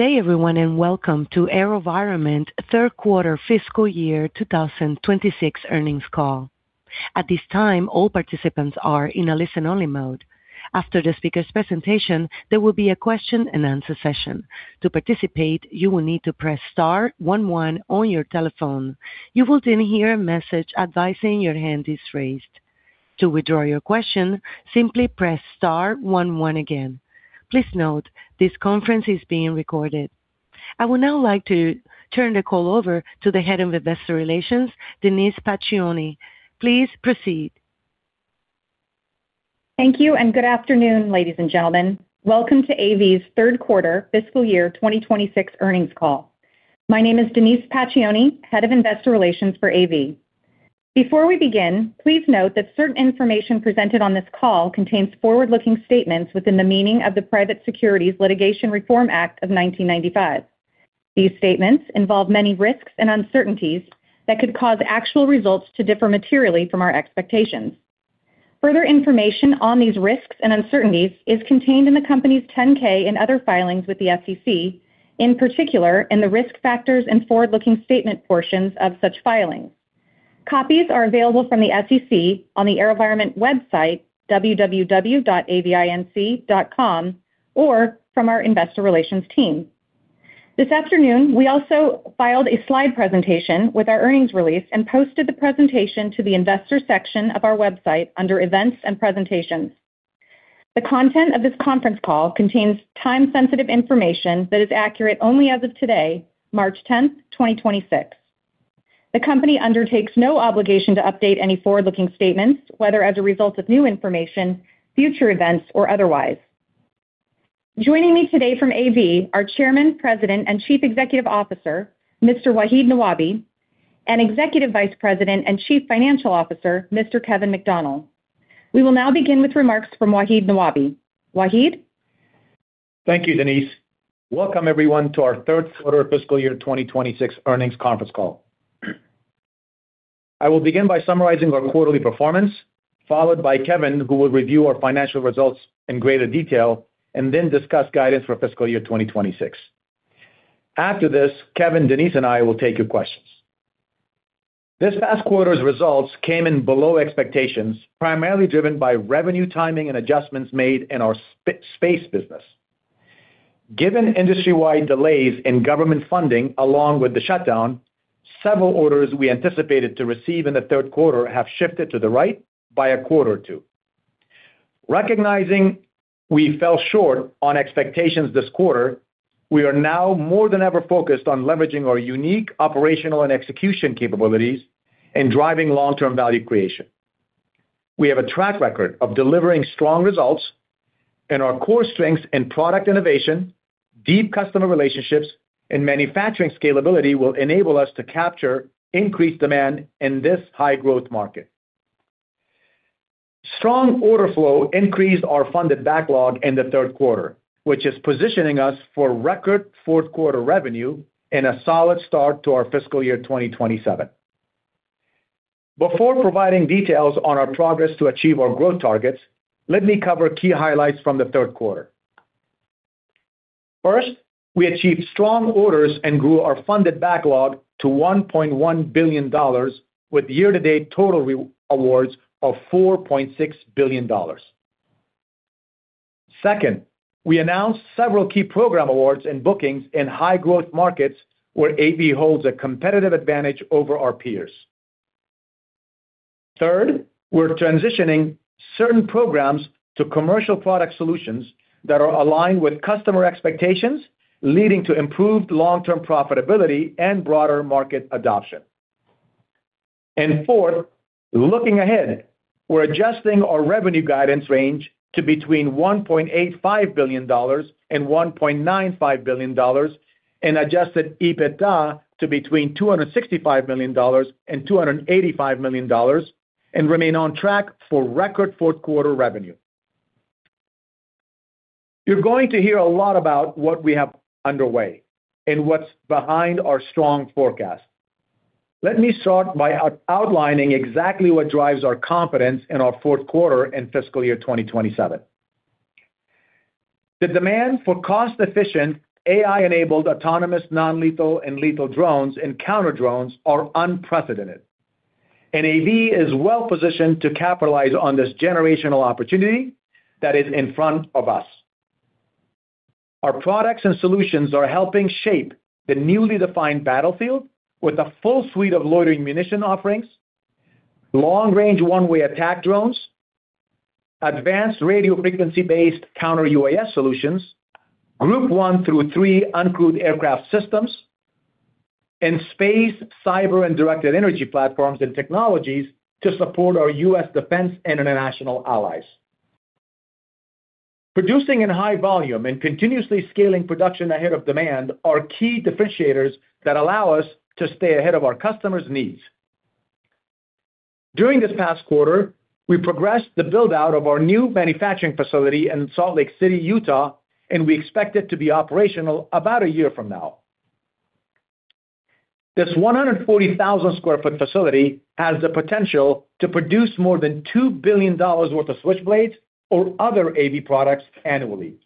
Good day everyone, and welcome to AeroVironment Third Quarter Fiscal Year 2026 Earnings Call. At this time, all participants are in a listen-only mode. After the speaker's presentation, there will be a question-and-answer session. To participate, you will need to press star one one on your telephone. You will then hear a message advising your hand is raised. To withdraw your question, simply press star one one again. Please note, this conference is being recorded. I would now like to turn the call over to the Head of Investor Relations, Denise Pacioni. Please proceed. Thank you, and good afternoon, ladies, and gentlemen. Welcome to AV's third quarter fiscal year 2026 earnings call. My name is Denise Pacioni, Head of Investor Relations for AV. Before we begin, please note that certain information presented on this call contains forward-looking statements within the meaning of the Private Securities Litigation Reform Act of 1995. These statements involve many risks and uncertainties that could cause actual results to differ materially from our expectations. Further information on these risks and uncertainties is contained in the company's 10-K and other filings with the SEC, in particular in the risk factors and forward-looking statement portions of such filings. Copies are available from the SEC on the AeroVironment website, www.avinc.com, or from our Investor Relations team. This afternoon we also filed a slide presentation with our earnings release and posted the presentation to the investor section of our website under Events and Presentations. The content of this conference call contains time-sensitive information that is accurate only as of today, March 10, 2026. The company undertakes no obligation to update any forward-looking statements, whether as a result of new information, future events, or otherwise. Joining me today from AV are Chairman, President, and Chief Executive Officer Mr. Wahid Nawabi and Executive Vice President and Chief Financial Officer Mr. Kevin McDonnell. We will now begin with remarks from Wahid Nawabi. Wahid. Thank you, Denise. Welcome everyone to our third quarter fiscal year 2026 earnings conference call. I will begin by summarizing our quarterly performance, followed by Kevin, who will review our financial results in greater detail and then discuss guidance for fiscal year 2026. After this, Kevin, Denise, and I will take your questions. This past quarter's results came in below expectations, primarily driven by revenue timing and adjustments made in our Space business. Given industry-wide delays in government funding along with the shutdown, several orders we anticipated to receive in the third quarter have shifted to the right by a quarter or two. Recognizing we fell short on expectations this quarter, we are now more than ever focused on leveraging our unique operational and execution capabilities and driving long-term value creation. We have a track record of delivering strong results, and our core strengths in product innovation, deep customer relationships, and manufacturing scalability will enable us to capture increased demand in this high-growth market. Strong order flow increased our funded backlog in the third quarter, which is positioning us for record fourth quarter revenue and a solid start to our fiscal year 2027. Before providing details on our progress to achieve our growth targets, let me cover key highlights from the third quarter. First, we achieved strong orders and grew our funded backlog to $1.1 billion with year-to-date total re-awards of $4.6 billion. Second, we announced several key program awards and bookings in high growth markets where AV holds a competitive advantage over our peers. Third, we're transitioning certain programs to commercial product solutions that are aligned with customer expectations, leading to improved long-term profitability and broader market adoption. Fourth, looking ahead, we're adjusting our revenue guidance range to between $1.85 billion and $1.95 billion and Adjusted EBITDA to between $265 million and $285 million and remain on track for record fourth quarter revenue. You're going to hear a lot about what we have underway and what's behind our strong forecast. Let me start by outlining exactly what drives our confidence in our fourth quarter and fiscal year 2027. The demand for cost-efficient AI-enabled autonomous non-lethal and lethal drones and counter drones are unprecedented. AV is well-positioned to capitalize on this generational opportunity that is in front of us. Our products and solutions are helping shape the newly defined battlefield with a full suite of loitering munition offerings, long-range one-way attack drones, advanced radio frequency-based counter-UAS solutions, Group 1 through 3 uncrewed aircraft systems, and space, cyber, and directed energy platforms and technologies to support our U.S. Defense and international allies. Producing in high volume and continuously scaling production ahead of demand are key differentiators that allow us to stay ahead of our customers' needs. During this past quarter, we progressed the build-out of our new manufacturing facility in Salt Lake City, Utah, and we expect it to be operational about a year from now. This 140,000 sq ft facility has the potential to produce more than $2 billion worth of Switchblades or other AAV products annually.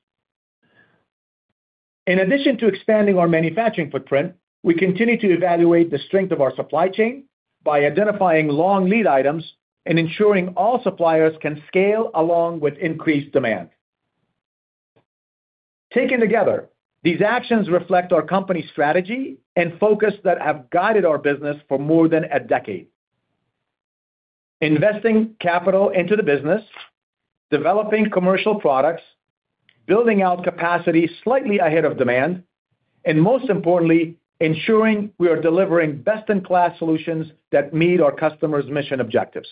In addition to expanding our manufacturing footprint, we continue to evaluate the strength of our supply chain by identifying long lead items and ensuring all suppliers can scale along with increased demand. Taken together, these actions reflect our company strategy and focus that have guided our business for more than a decade. Investing capital into the business, developing commercial products, building out capacity slightly ahead of demand, and most importantly, ensuring we are delivering best-in-class solutions that meet our customers' mission objectives.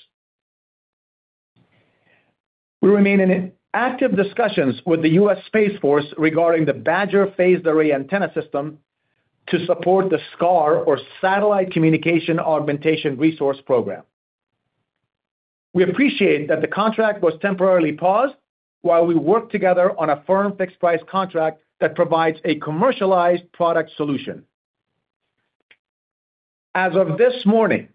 We remain in active discussions with the U.S. Space Force regarding the Badger phased array antenna system to support the SCAR, or Satellite Communication Augmentation Resource program. We appreciate that the contract was temporarily paused while we work together on a firm-fixed-price contract that provides a commercialized product solution. As of this morning,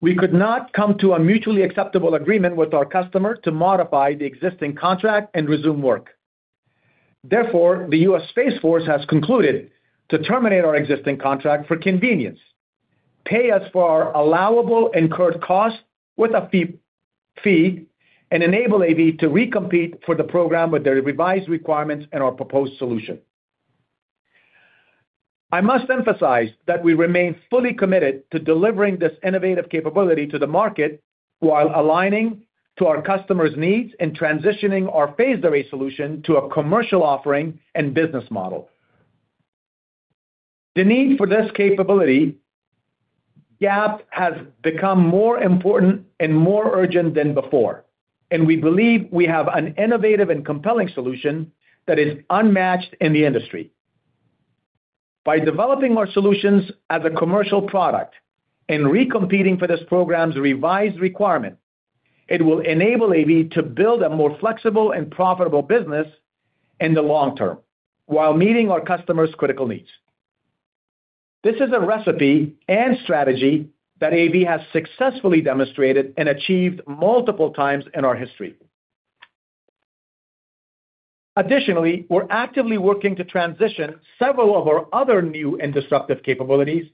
we could not come to a mutually acceptable agreement with our customer to modify the existing contract and resume work. Therefore, the U.S. Space Force has concluded to terminate our existing contract for convenience, pay us for our allowable incurred costs with a fee, and enable AV to recompete for the program with their revised requirements and our proposed solution. I must emphasize that we remain fully committed to delivering this innovative capability to the market while aligning to our customers' needs and transitioning our phased array solution to a commercial offering and business model. The need for this capability gap has become more important and more urgent than before, and we believe we have an innovative and compelling solution that is unmatched in the industry. By developing our solutions as a commercial product and recompeting for this program's revised requirement, it will enable AV to build a more flexible and profitable business in the long term while meeting our customers' critical needs. This is a recipe and strategy that AV has successfully demonstrated and achieved multiple times in our history. Additionally, we're actively working to transition several of our other new and disruptive capabilities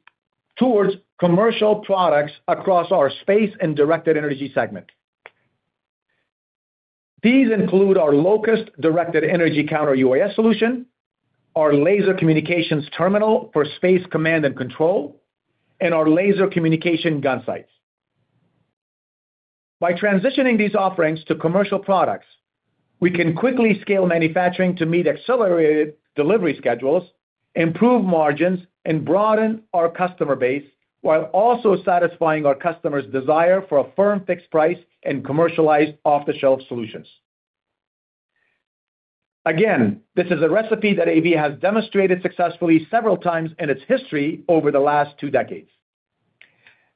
towards commercial products across our Space and Directed Energy segment. These include our Locust directed energy counter-UAS solution, our laser communications terminal for space command and control, and our laser communication gunsights. By transitioning these offerings to commercial products, we can quickly scale manufacturing to meet accelerated delivery schedules, improve margins, and broaden our customer base while also satisfying our customers' desire for a firm fixed-price and commercialized off-the-shelf solutions. Again, this is a recipe that AV has demonstrated successfully several times in its history over the last two decades.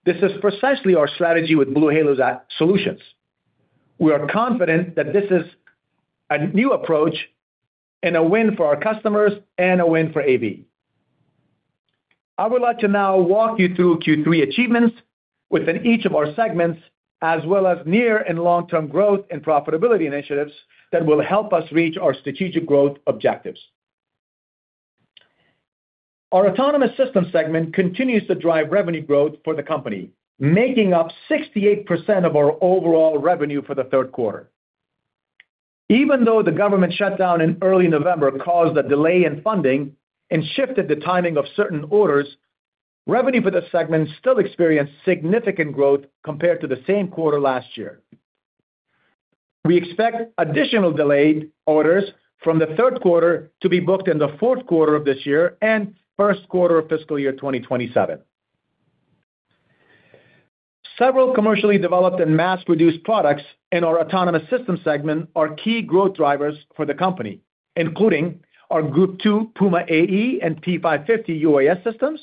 This is precisely our strategy with BlueHalo's solutions. We are confident that this is a new approach and a win for our customers and a win for AV. I would like to now walk you through Q3 achievements within each of our segments, as well as near and long-term growth and profitability initiatives that will help us reach our strategic growth objectives. Our Autonomous Systems segment continues to drive revenue growth for the company, making up 68% of our overall revenue for the third quarter. Even though the government shutdown in early November caused a delay in funding and shifted the timing of certain orders, revenue for the segment still experienced significant growth compared to the same quarter last year. We expect additional delayed orders from the third quarter to be booked in the fourth quarter of this year and first quarter of fiscal year 2027. Several commercially developed and mass-produced products in our autonomous system segment are key growth drivers for the company, including our Group 2 Puma AE and P550 UAS systems,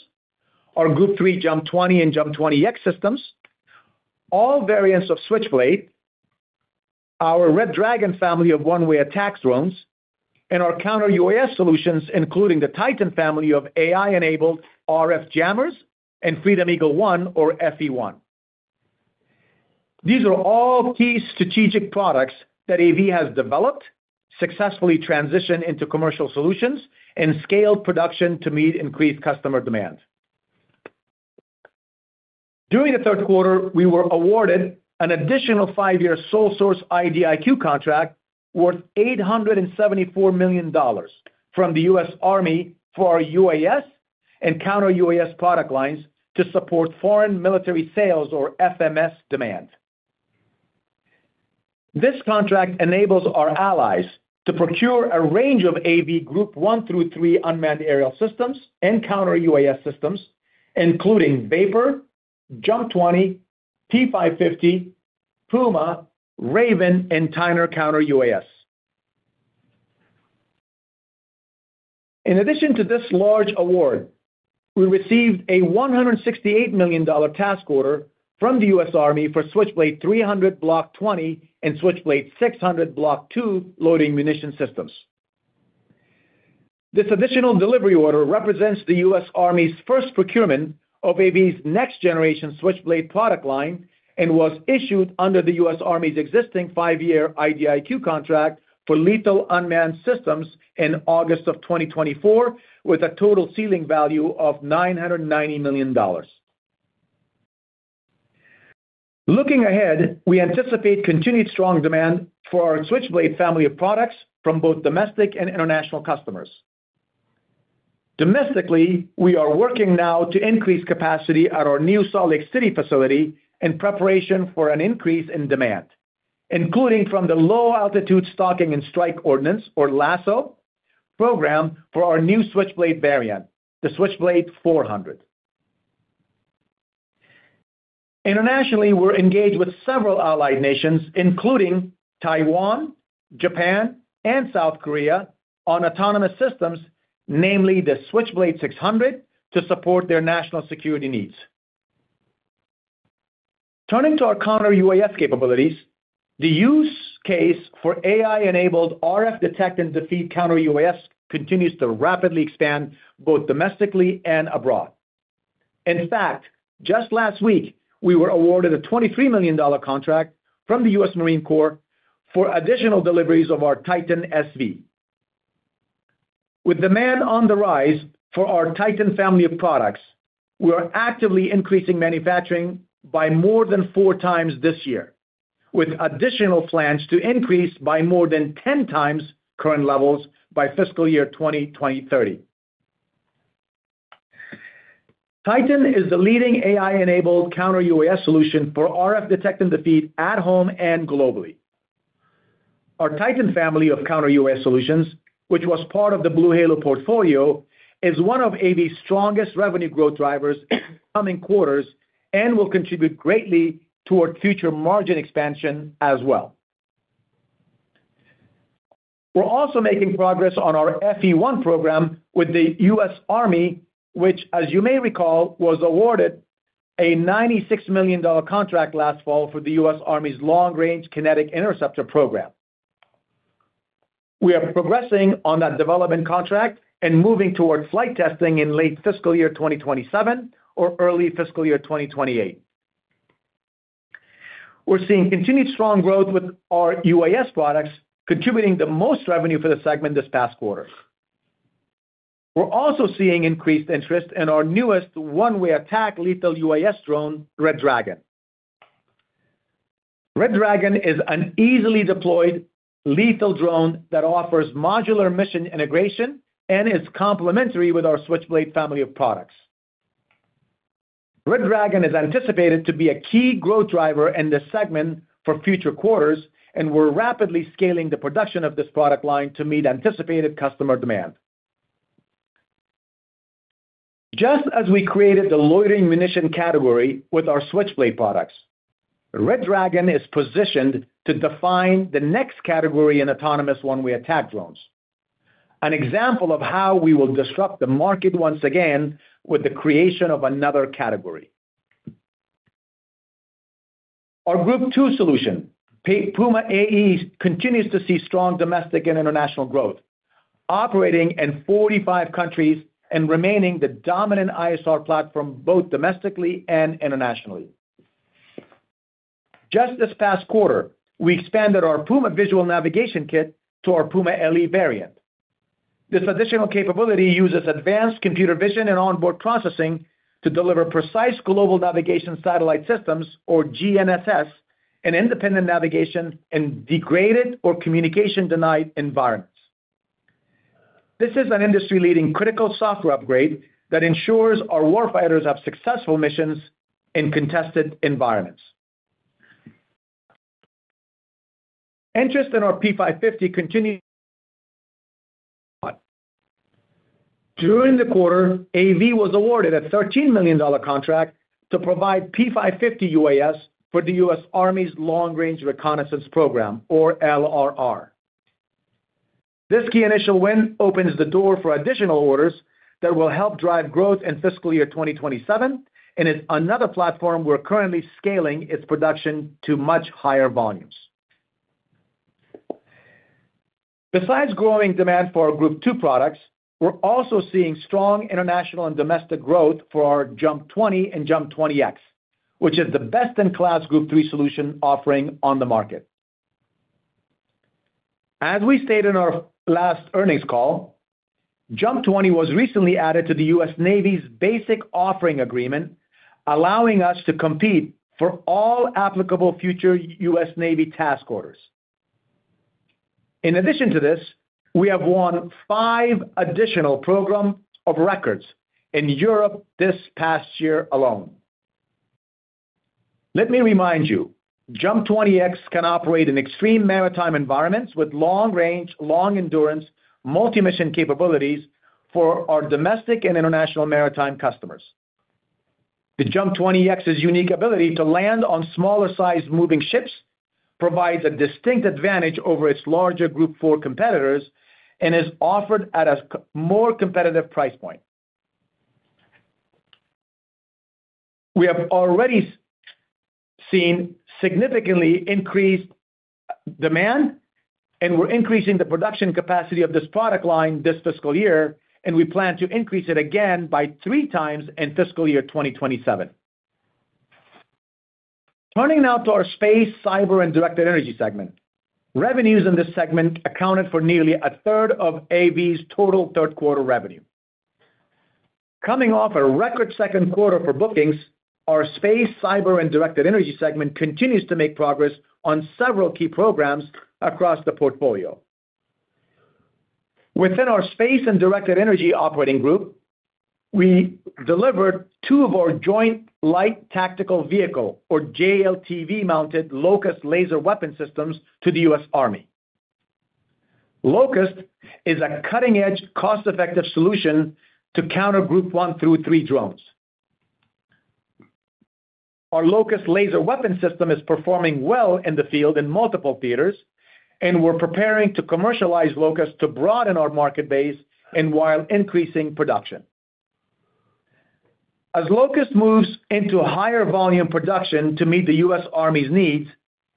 our Group 3 JUMP 20 and JUMP 20-X systems, all variants of Switchblade, our Red Dragon family of one-way attack drones, and our counter-UAS solutions, including the Titan family of AI-enabled RF jammers and Freedom Eagle-1, or FE1. These are all key strategic products that AV has developed, successfully transitioned into commercial solutions, and scaled production to meet increased customer demand. During the third quarter, we were awarded an additional five year sole source IDIQ contract worth $874 million from the U.S. Army for our UAS and Counter-UAS product lines to support foreign military sales or FMS demands. This contract enables our allies to procure a range of AAV Group 1 through three unmanned aerial systems and Counter-UAS systems, including Vapor, JUMP 20, P550, Puma, Raven, and Titan Counter-UAS. In addition to this large award, we received a $168 million task order from the U.S. Army for Switchblade 300 Block 20 and Switchblade 600 Block 2 loitering munition systems. This additional delivery order represents the U.S. Army's first procurement of AV's next-generation Switchblade product line and was issued under the U.S. Army's existing five-year IDIQ contract for lethal unmanned systems in August of 2024, with a total ceiling value of $990 million. Looking ahead, we anticipate continued strong demand for our Switchblade family of products from both domestic and international customers. Domestically, we are working now to increase capacity at our new Salt Lake City facility in preparation for an increase in demand, including from the Low Altitude Stalking and Strike Ordnance, or LASSO, program for our new Switchblade variant, the Switchblade 400. Internationally, we're engaged with several allied nations, including Taiwan, Japan, and South Korea, on autonomous systems, namely the Switchblade 600, to support their national security needs. Turning to our Counter-UAS capabilities, the use case for AI-enabled RF detect and defeat Counter-UAS continues to rapidly expand both domestically and abroad. In fact, just last week, we were awarded a $23 million contract from the U.S. Marine Corps for additional deliveries of our Titan SV. With demand on the rise for our Titan family of products, we are actively increasing manufacturing by more than four times this year, with additional plans to increase by more than 10 times current levels by fiscal year 2030. Titan is the leading AI-enabled Counter-UAS solution for RF detect and defeat at home and globally. Our Titan family of counter-UAS solutions, which was part of the BlueHalo portfolio, is one of AV's strongest revenue growth drivers in coming quarters and will contribute greatly toward future margin expansion as well. We're also making progress on our FE1 program with the U.S. Army, which as you may recall, was awarded a $96 million contract last fall for the U.S. Army's long-range kinetic interceptor program. We are progressing on that development contract and moving towards flight testing in late fiscal year 2027 or early fiscal year 2028. We're seeing continued strong growth with our UAS products, contributing the most revenue for the segment this past quarter. We're also seeing increased interest in our newest one-way attack lethal UAS drone, Red Dragon. Red Dragon is an easily deployed lethal drone that offers modular mission integration and is complementary with our Switchblade family of products. Red Dragon is anticipated to be a key growth driver in this segment for future quarters, and we're rapidly scaling the production of this product line to meet anticipated customer demand. Just as we created the loitering munition category with our Switchblade products, Red Dragon is positioned to define the next category in autonomous one-way attack drones. An example of how we will disrupt the market once again with the creation of another category. Our Group 2 solution, Puma AE, continues to see strong domestic and international growth, operating in 45 countries and remaining the dominant ISR platform, both domestically and internationally. Just this past quarter, we expanded our Puma visual navigation kit to our Puma LE variant. This additional capability uses advanced computer vision and onboard processing to deliver precise Global Navigation Satellite Systems, or GNSS, and independent navigation in degraded or communication-denied environments. This is an industry-leading critical software upgrade that ensures our war fighters have successful missions in contested environments. Interest in our P550 continued. During the quarter, AEV was awarded a $13 million contract to provide P550 UAS for the U.S. Army's Long Range Reconnaissance Program, or LRR. This key initial win opens the door for additional orders that will help drive growth in fiscal year 2027 and is another platform we're currently scaling its production to much higher volumes. Besides growing demand for our Group 2 products, we're also seeing strong international and domestic growth for our JUMP 20 and JUMP 20-X, which is the best-in-class Group 3 solution offering on the market. As we stated in our last earnings call, JUMP 20 was recently added to the U.S. Navy's basic offering agreement, allowing us to compete for all applicable future U.S. Navy task orders. In addition to this, we have won five additional programs of record in Europe this past year alone. Let me remind you, JUMP 20-X can operate in extreme maritime environments with long-range, long-endurance, multi-mission capabilities for our domestic and international maritime customers. The JUMP 20-X's unique ability to land on smaller-sized moving ships provides a distinct advantage over its larger Group 4 competitors and is offered at a more competitive price point. We have already seen significantly increased demand, and we're increasing the production capacity of this product line this fiscal year, and we plan to increase it again by three times in fiscal year 2027. Turning now to our space, cyber, and directed energy segment. Revenues in this segment accounted for nearly a third of AV's total third quarter revenue. Coming off a record second quarter for bookings, our space, cyber, and directed energy segment continues to make progress on several key programs across the portfolio. Within our space and directed energy operating group, we delivered two of our joint light tactical vehicle or JLTV-mounted LOCUST laser weapon systems to the U.S. Army. LOCUST is a cutting-edge, cost-effective solution to counter Group 1 through 3 drones. Our LOCUST laser weapon system is performing well in the field in multiple theaters, and we're preparing to commercialize LOCUST to broaden our market base and while increasing production. As LOCUST moves into higher volume production to meet the U.S. Army's needs,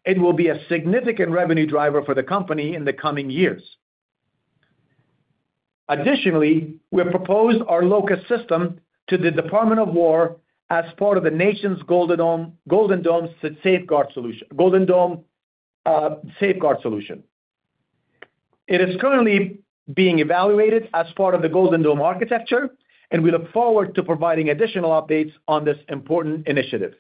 it will be a significant revenue driver for the company in the coming years. Additionally, we have proposed our LOCUST system to the Department of Defense as part of the nation's Golden Dome Safeguard solution. It is currently being evaluated as part of the Golden Dome architecture, and we look forward to providing additional updates on this important initiative.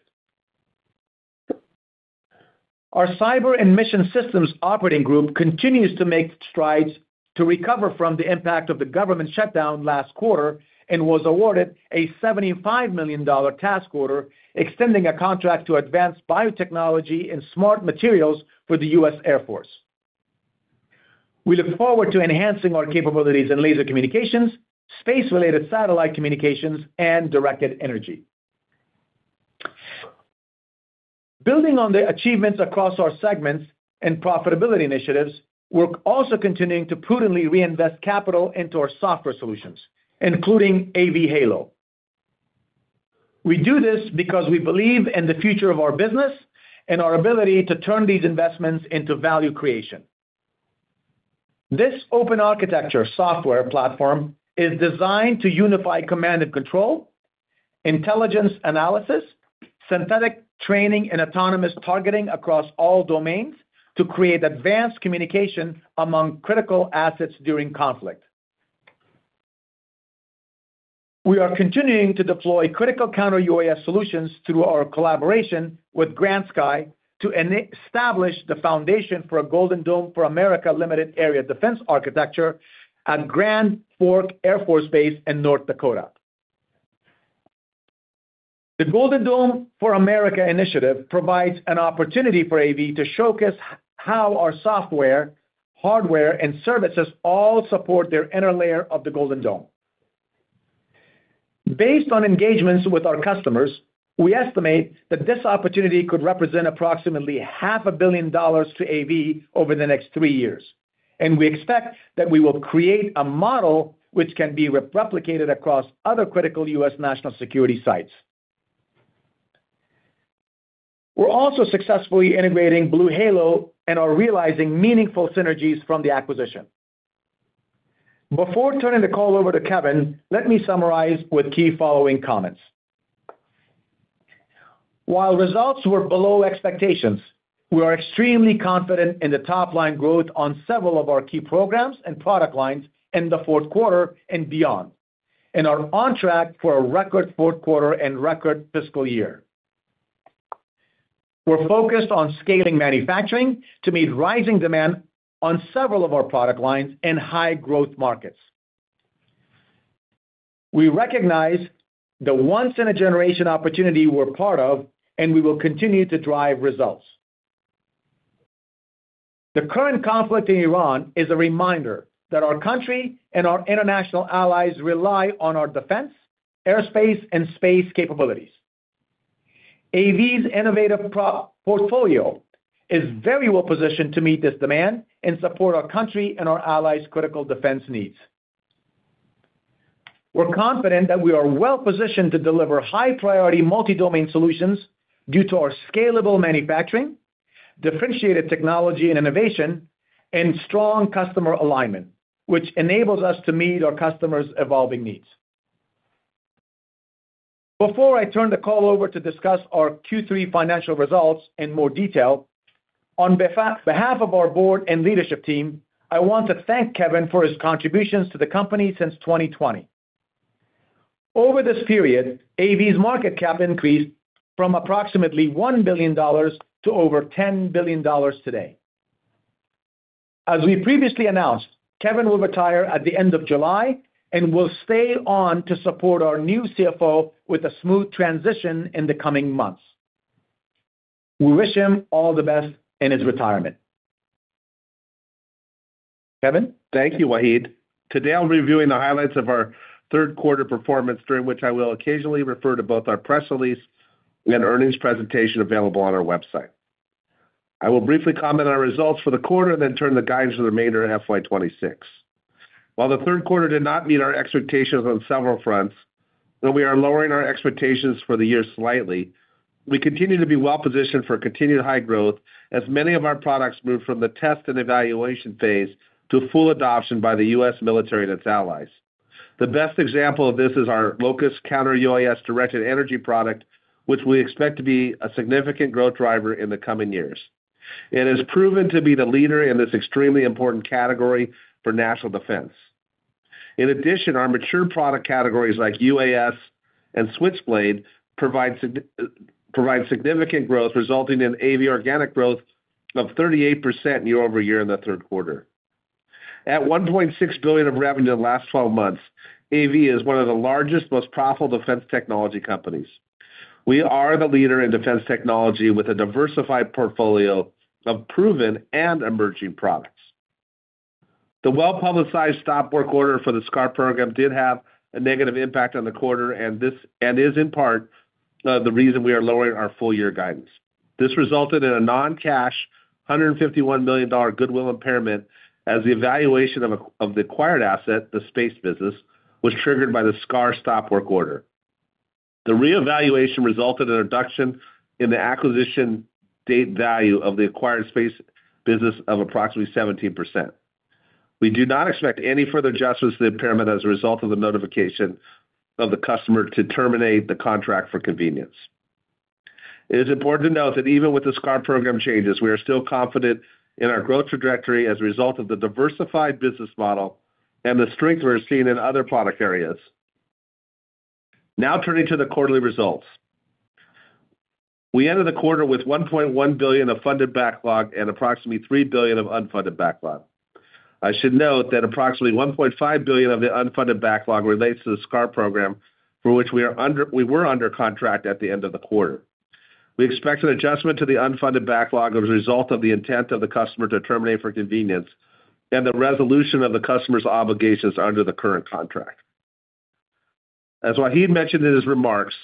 Our cyber and mission systems operating group continues to make strides to recover from the impact of the government shutdown last quarter and was awarded a $75 million task order, extending a contract to advanced biotechnology and smart materials for the U.S. Air Force. We look forward to enhancing our capabilities in laser communications, space-related satellite communications, and directed energy. Building on the achievements across our segments and profitability initiatives, we're also continuing to prudently reinvest capital into our software solutions, including AV Halo. We do this because we believe in the future of our business and our ability to turn these investments into value creation. This open architecture software platform is designed to unify command and control, intelligence analysis, synthetic training, and autonomous targeting across all domains to create advanced communication among critical assets during conflict. We are continuing to deploy critical counter-UAS solutions through our collaboration with Grand Sky to establish the foundation for a Golden Dome for America limited area defense architecture at Grand Forks Air Force Base in North Dakota. The Golden Dome for America initiative provides an opportunity for AV to showcase how our software, hardware, and services all support their inner layer of the Golden Dome. Based on engagements with our customers, we estimate that this opportunity could represent approximately half a billion dollars to AV over the next three years, and we expect that we will create a model which can be replicated across other critical U.S. national security sites. We're also successfully integrating BlueHalo and are realizing meaningful synergies from the acquisition. Before turning the call over to Kevin, let me summarize with key following comments. While results were below expectations, we are extremely confident in the top-line growth on several of our key programs and product lines in the fourth quarter and beyond, and are on track for a record fourth quarter and record fiscal year. We're focused on scaling manufacturing to meet rising demand on several of our product lines in high growth markets. We recognize the once in a generation opportunity we're part of, and we will continue to drive results. The current conflict in Iran is a reminder that our country and our international allies rely on our defense, airspace, and space capabilities. AV's innovative portfolio is very well positioned to meet this demand and support our country and our allies' critical defense needs. We're confident that we are well positioned to deliver high priority multi-domain solutions due to our scalable manufacturing, differentiated technology and innovation, and strong customer alignment, which enables us to meet our customers' evolving needs. Before I turn the call over to discuss our Q3 financial results in more detail, on behalf of our board and leadership team, I want to thank Kevin for his contributions to the company since 2020. Over this period, AV's market cap increased from approximately $1 billion to over $10 billion today. As we previously announced, Kevin will retire at the end of July and will stay on to support our new CFO with a smooth transition in the coming months. We wish him all the best in his retirement. Kevin? Thank you, Wahid. Today, I'm reviewing the highlights of our third quarter performance, during which I will occasionally refer to both our press release and earnings presentation available on our website. I will briefly comment on results for the quarter and then turn the guidance to the remainder of FY 2026. While the third quarter did not meet our expectations on several fronts, though we are lowering our expectations for the year slightly, we continue to be well-positioned for continued high growth as many of our products move from the test and evaluation phase to full adoption by the U.S. military and its allies. The best example of this is our LOCUST Counter-UAS directed energy product, which we expect to be a significant growth driver in the coming years. It has proven to be the leader in this extremely important category for national defense. In addition, our mature product categories like UAS and Switchblade provide significant growth, resulting in AV organic growth of 38% year-over-year in the third quarter. At $1.6 billion of revenue in the last 12 months, AV is one of the largest, most profitable defense technology companies. We are the leader in defense technology with a diversified portfolio of proven and emerging products. The well-publicized stop work order for the SCAR program did have a negative impact on the quarter, and this is in part the reason we are lowering our full year guidance. This resulted in a non-cash $151 million goodwill impairment as the evaluation of the acquired asset, the space business, was triggered by the SCAR stop work order. The reevaluation resulted in a reduction in the acquisition date value of the acquired space business of approximately 17%. We do not expect any further adjustments to the impairment as a result of the notification of the customer to terminate the contract for convenience. It is important to note that even with the SCAR program changes, we are still confident in our growth trajectory as a result of the diversified business model and the strength we're seeing in other product areas. Now turning to the quarterly results. We ended the quarter with $1.1 billion of funded backlog and approximately $3 billion of unfunded backlog. I should note that approximately $1.5 billion of the unfunded backlog relates to the SCAR program, for which we were under contract at the end of the quarter. We expect an adjustment to the unfunded backlog as a result of the intent of the customer to terminate for convenience and the resolution of the customer's obligations under the current contract. As Wahid mentioned in his remarks,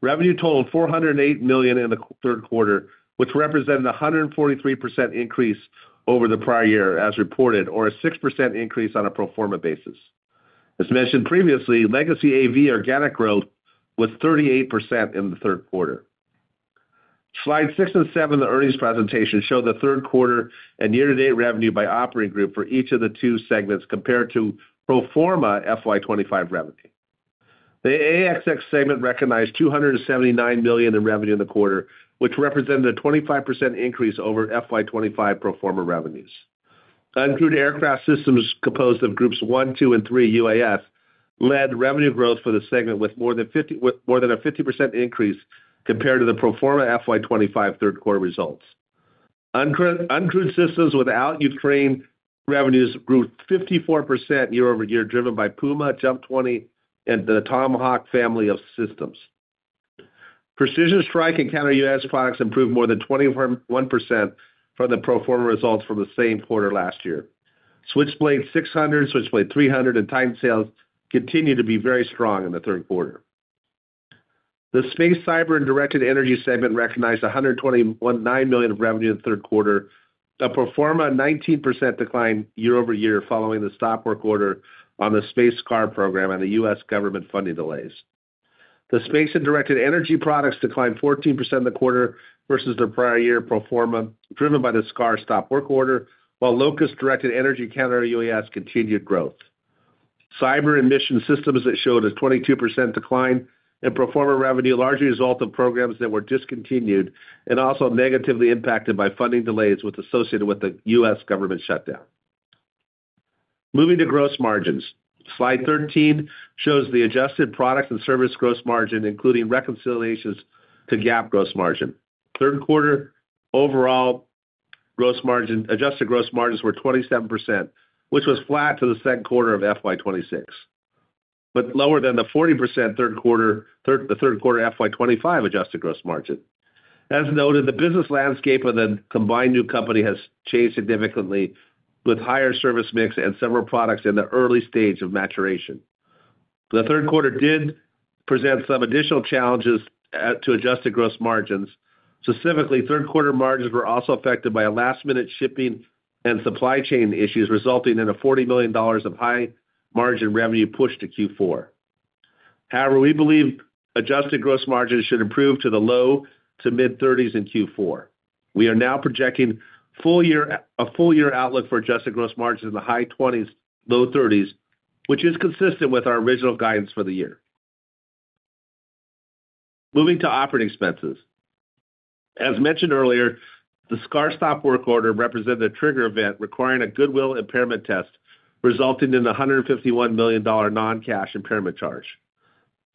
revenue totaled $408 million in the third quarter, which represented a 143% increase over the prior year as reported, or a 6% increase on a pro forma basis. As mentioned previously, legacy AAV organic growth was 38% in the third quarter. Slide six and seven of Ernie's presentation show the third quarter and year-to-date revenue by operating group for each of the two segments compared to pro forma FY 2025 revenue. The AxS segment recognized $279 million in revenue in the quarter, which represented a 25% increase over FY 2025 pro forma revenues. Uncrewed Aircraft Systems, composed of Groups 1, 2, and 3 UAS, led revenue growth for the segment with more than a 50% increase compared to the pro forma FY 2025 third quarter results. Uncrewed Systems without Ukraine revenues grew 54% year-over-year, driven by Puma, JUMP 20, and the Tomahawk family of systems. Precision Strike and Counter-UAS products improved more than 21% from the pro forma results from the same quarter last year. Switchblade 600, Switchblade 300, and Titan sales continued to be very strong in the third quarter. The Space, Cyber, and Directed Energy segment recognized $121.9 million of revenue in the third quarter, a pro forma 19% decline year-over-year following the stop work order on the Space SCAR program and the U.S. government funding delays. The Space and Directed Energy products declined 14% in the quarter versus the prior year pro forma, driven by the SCAR stop-work order, while LOCUST Directed Energy Counter-UAS continued growth. Cyber and Mission Systems showed a 22% decline in pro forma revenue, largely a result of programs that were discontinued and also negatively impacted by funding delays associated with the U.S. government shutdown. Moving to gross margins. Slide 13 shows the adjusted product and service gross margin, including reconciliations to GAAP gross margin. Third quarter overall adjusted gross margins were 27%, which was flat to the second quarter of FY 2026, but lower than the 40% third quarter FY 2025 adjusted gross margin. As noted, the business landscape of the combined new company has changed significantly with higher service mix and several products in the early stage of maturation. The third quarter did present some additional challenges to adjusted gross margins. Specifically, third quarter margins were also affected by last-minute shipping and supply chain issues, resulting in $40 million of high-margin revenue pushed to Q4. However, we believe adjusted gross margins should improve to the low- to mid-30s% in Q4. We are now projecting a full year outlook for adjusted gross margins in the high-20s% to low-30s%, which is consistent with our original guidance for the year. Moving to operating expenses. As mentioned earlier, the SCAR stop work order represented a trigger event requiring a goodwill impairment test, resulting in the $151 million non-cash impairment charge.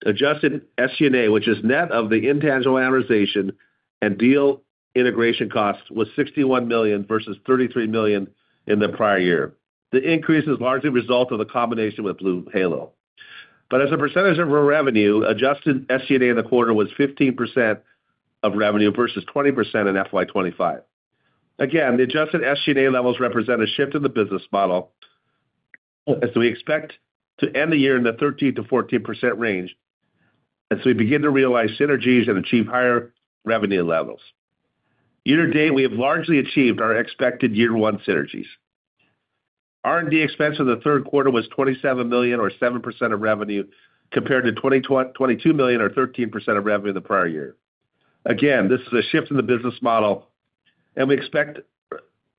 Adjusted SG&A, which is net of the intangible amortization and deal integration costs, was $61 million versus $33 million in the prior year. The increase is largely a result of the combination with BlueHalo. As a percentage of our revenue, adjusted SG&A in the quarter was 15% of revenue versus 20% in FY 2025. Again, the adjusted SG&A levels represent a shift in the business model. As we expect to end the year in the 13%-14% range as we begin to realize synergies and achieve higher revenue levels. Year-to-date, we have largely achieved our expected year-one synergies. R&D expense in the third quarter was $27 million or 7% of revenue, compared to $22 million or 13% of revenue the prior year. Again, this is a shift in the business model, and we expect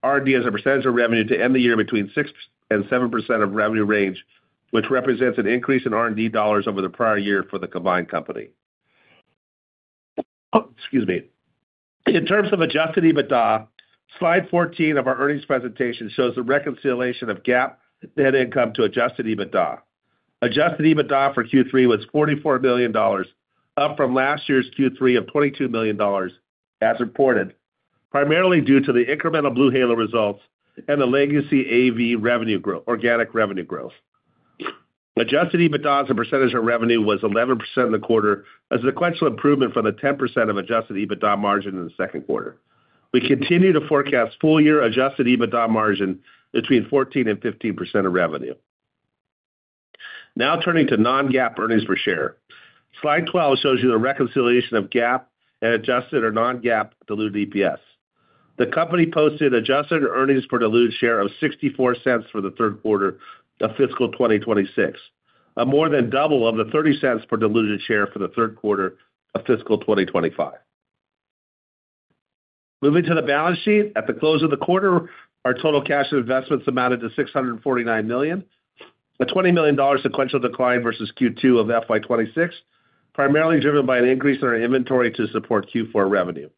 R&D as a percentage of revenue to end the year between 6% and 7% of revenue range, which represents an increase in R&D dollars over the prior year for the combined company. Excuse me. In terms of Adjusted EBITDA, slide 14 of our earnings presentation shows a reconciliation of GAAP net income to Adjusted EBITDA. Adjusted EBITDA for Q3 was $44 million, up from last year's Q3 of $22 million as reported, primarily due to the incremental BlueHalo results and the legacy AV organic revenue growth. Adjusted EBITDA as a percentage of revenue was 11% in the quarter, a sequential improvement from the 10% Adjusted EBITDA margin in the second quarter. We continue to forecast full year Adjusted EBITDA margin between 14% and 15% of revenue. Now turning to non-GAAP earnings per share. Slide 12 shows you the reconciliation of GAAP and adjusted or non-GAAP diluted EPS. The company posted adjusted earnings per diluted share of $0.64 for the third quarter of fiscal 2026, a more than double of the $0.30 per diluted share for the third quarter of fiscal 2025. Moving to the balance sheet. At the close of the quarter, our total cash and investments amounted to $649 million, a $20 million sequential decline versus Q2 of FY 2026, primarily driven by an increase in our inventory to support Q4 revenue.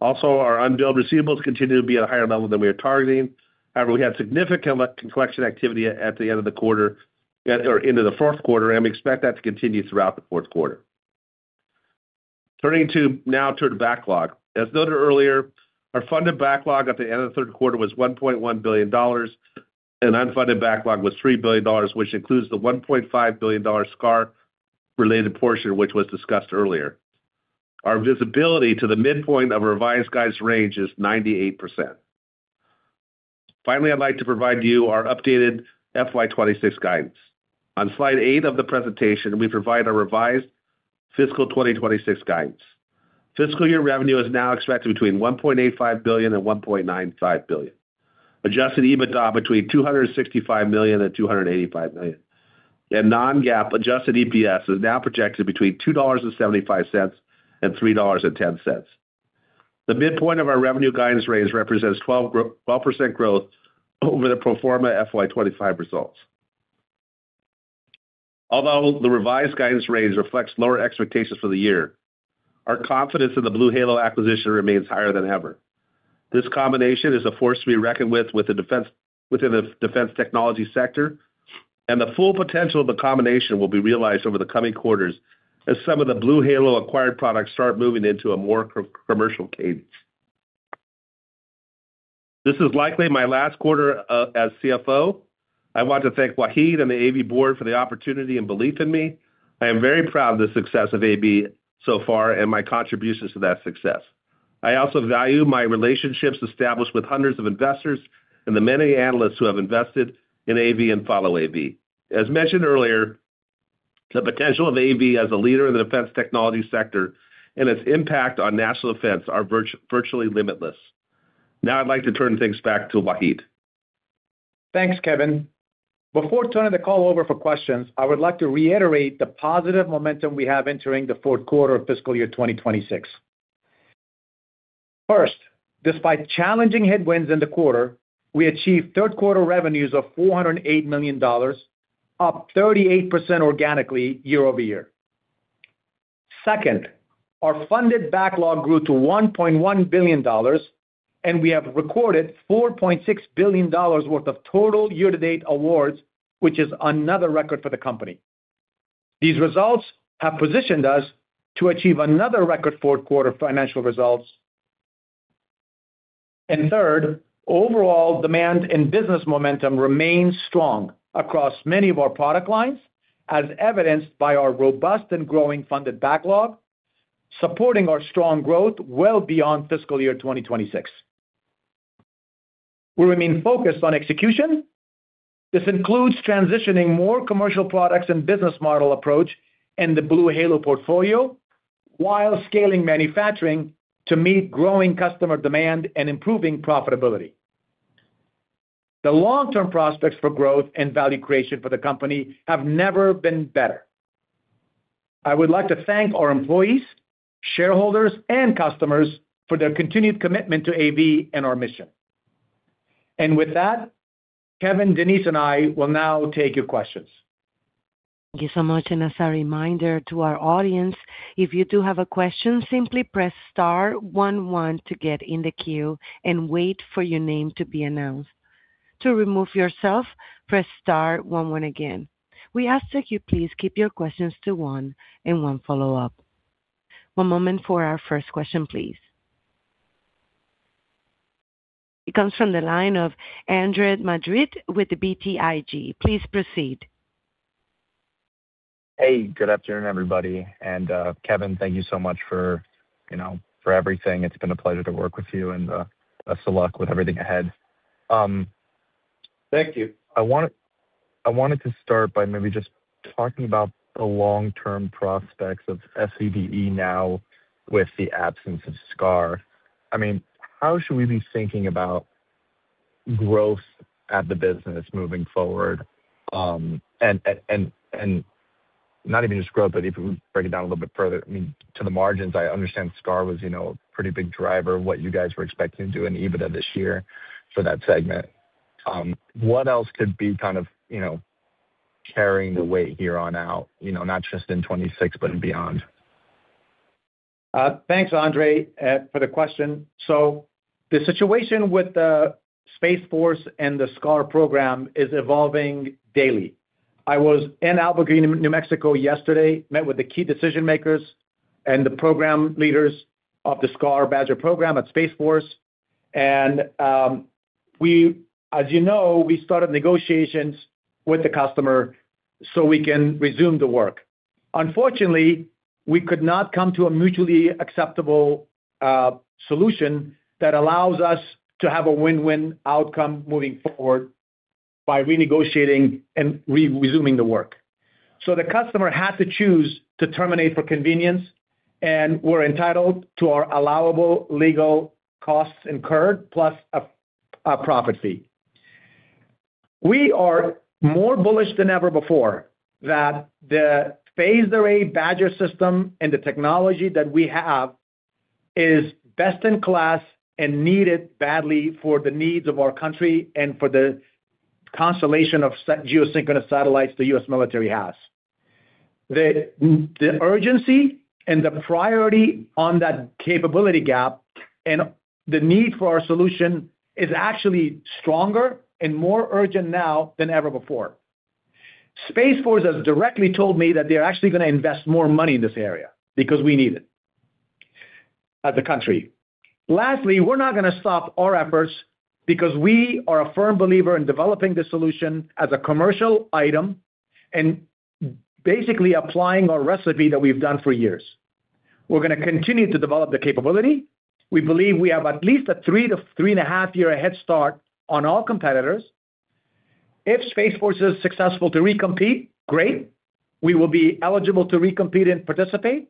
Also, our unbilled receivables continue to be at a higher level than we are targeting. However, we had significant collection activity at the end of the quarter or into the fourth quarter, and we expect that to continue throughout the fourth quarter. Turning to the backlog. As noted earlier, our funded backlog at the end of the third quarter was $1.1 billion and unfunded backlog was $3 billion, which includes the $1.5 billion SCAR-related portion, which was discussed earlier. Our visibility to the midpoint of revised guidance range is 98%. Finally, I'd like to provide you our updated FY 2026 guidance. On slide eight of the presentation, we provide our revised fiscal 2026 guidance. Fiscal year revenue is now expected between $1.85 billion-$1.95 billion. Adjusted EBITDA between $265 million-$285 million. non-GAAP Adjusted EPS is now projected between $2.75-$3.10. The midpoint of our revenue guidance range represents 12% growth over the pro forma FY 2025 results. Although the revised guidance range reflects lower expectations for the year, our confidence in the BlueHalo acquisition remains higher than ever. This combination is a force to be reckoned with within the defense technology sector, and the full potential of the combination will be realized over the coming quarters as some of the BlueHalo acquired products start moving into a more production-commercial cadence. This is likely my last quarter as CFO. I want to thank Wahid and the AV board for the opportunity and belief in me. I am very proud of the success of AV so far and my contributions to that success. I also value my relationships established with hundreds of investors and the many analysts who have invested in AV and follow AV. As mentioned earlier, the potential of AV as a leader in the defense technology sector and its impact on national defense are virtually limitless. Now, I'd like to turn things back to Wahid. Thanks, Kevin. Before turning the call over for questions, I would like to reiterate the positive momentum we have entering the fourth quarter of fiscal year 2026. First, despite challenging headwinds in the quarter, we achieved third quarter revenues of $408 million, up 38% organically year-over-year. Second, our funded backlog grew to $1.1 billion, and we have recorded $4.6 billion worth of total year-to-date awards, which is another record for the company. These results have positioned us to achieve another record fourth quarter financial results. Third, overall demand and business momentum remains strong across many of our product lines, as evidenced by our robust and growing funded backlog, supporting our strong growth well beyond fiscal year 2026. We remain focused on execution. This includes transitioning more commercial products and business model approach in the BlueHalo portfolio while scaling manufacturing to meet growing customer demand and improving profitability. The long-term prospects for growth and value creation for the company have never been better. I would like to thank our employees, shareholders, and customers for their continued commitment to AV and our mission. With that, Kevin, Denise, and I will now take your questions. Thank you so much. As a reminder to our audience, if you do have a question, simply press star one one to get in the queue and wait for your name to be announced. To remove yourself, press star one one again. We ask that you please keep your questions to one and one follow-up. One moment for our first question, please. It comes from the line of Andre Madrid with the BTIG. Please proceed. Hey, good afternoon, everybody. Kevin, thank you so much for, you know, for everything. It's been a pleasure to work with you and best of luck with everything ahead. Thank you. I wanted to start by maybe just talking about the long-term prospects of SCDE now with the absence of SCAR. I mean, how should we be thinking about growth at the business moving forward? Not even just growth, but if we break it down a little bit further, I mean, to the margins, I understand SCAR was, you know, a pretty big driver of what you guys were expecting to do in EBITDA this year for that segment. What else could be kind of, you know, carrying the weight here on out, you know, not just in 2026 but beyond? Thanks, Andre, for the question. The situation with the Space Force and the SCAR program is evolving daily. I was in Albuquerque, New Mexico yesterday, met with the key decision-makers and the program leaders of the SCAR Badger program at Space Force. As you know, we started negotiations with the customer so we can resume the work. Unfortunately, we could not come to a mutually acceptable solution that allows us to have a win-win outcome moving forward by renegotiating and re-resuming the work. The customer had to choose to terminate for convenience, and we're entitled to our allowable legal costs incurred plus a profit fee. We are more bullish than ever before that the phased array BADGER system and the technology that we have is best in class and needed badly for the needs of our country and for the constellation of geosynchronous satellites the U.S. military has. The urgency and the priority on that capability gap and the need for our solution is actually stronger and more urgent now than ever before. Space Force has directly told me that they're actually gonna invest more money in this area because we need it, as a country. Lastly, we're not gonna stop our efforts because we are a firm believer in developing the solution as a commercial item and basically applying our recipe that we've done for years. We're gonna continue to develop the capability. We believe we have at least a three to three and a half year head start on all competitors. If Space Force is successful to recompete, great. We will be eligible to recompete and participate.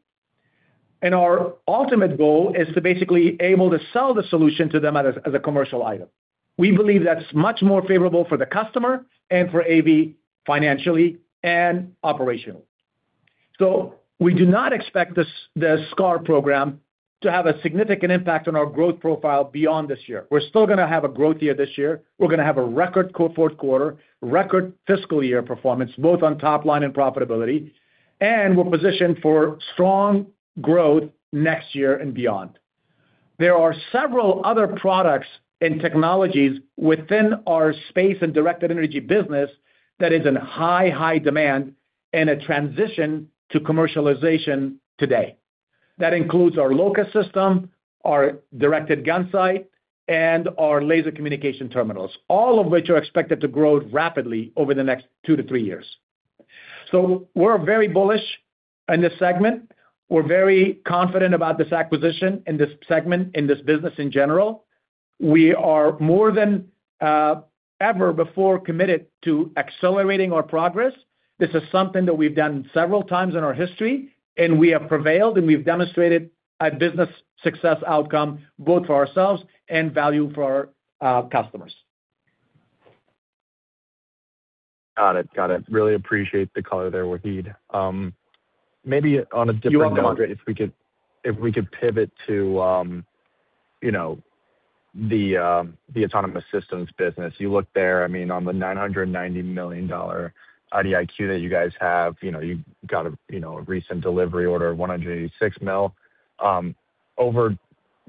Our ultimate goal is to basically able to sell the solution to them as a commercial item. We believe that's much more favorable for the customer and for AV financially and operationally. We do not expect the SCAR program to have a significant impact on our growth profile beyond this year. We're still gonna have a growth year this year. We're gonna have a record fourth quarter, record fiscal year performance, both on top line and profitability. We're positioned for strong growth next year and beyond. There are several other products and technologies within our Space and Directed Energy business that is in high demand and a transition to commercialization today. That includes our LOCUST system, our directed gunsight, and our laser communication terminals, all of which are expected to grow rapidly over the next two to three years. We're very bullish in this segment. We're very confident about this acquisition in this segment, in this business in general. We are more than ever before committed to accelerating our progress. This is something that we've done several times in our history, and we have prevailed, and we've demonstrated a business success outcome, both for ourselves and value for our customers. Got it. Really appreciate the color there, Wahid. Maybe on a different note. You want, Andre, if we could pivot to, you know, the autonomous systems business. You look there, I mean, on the $990 million IDIQ that you guys have, you know, you've got a recent delivery order of $186 million. Over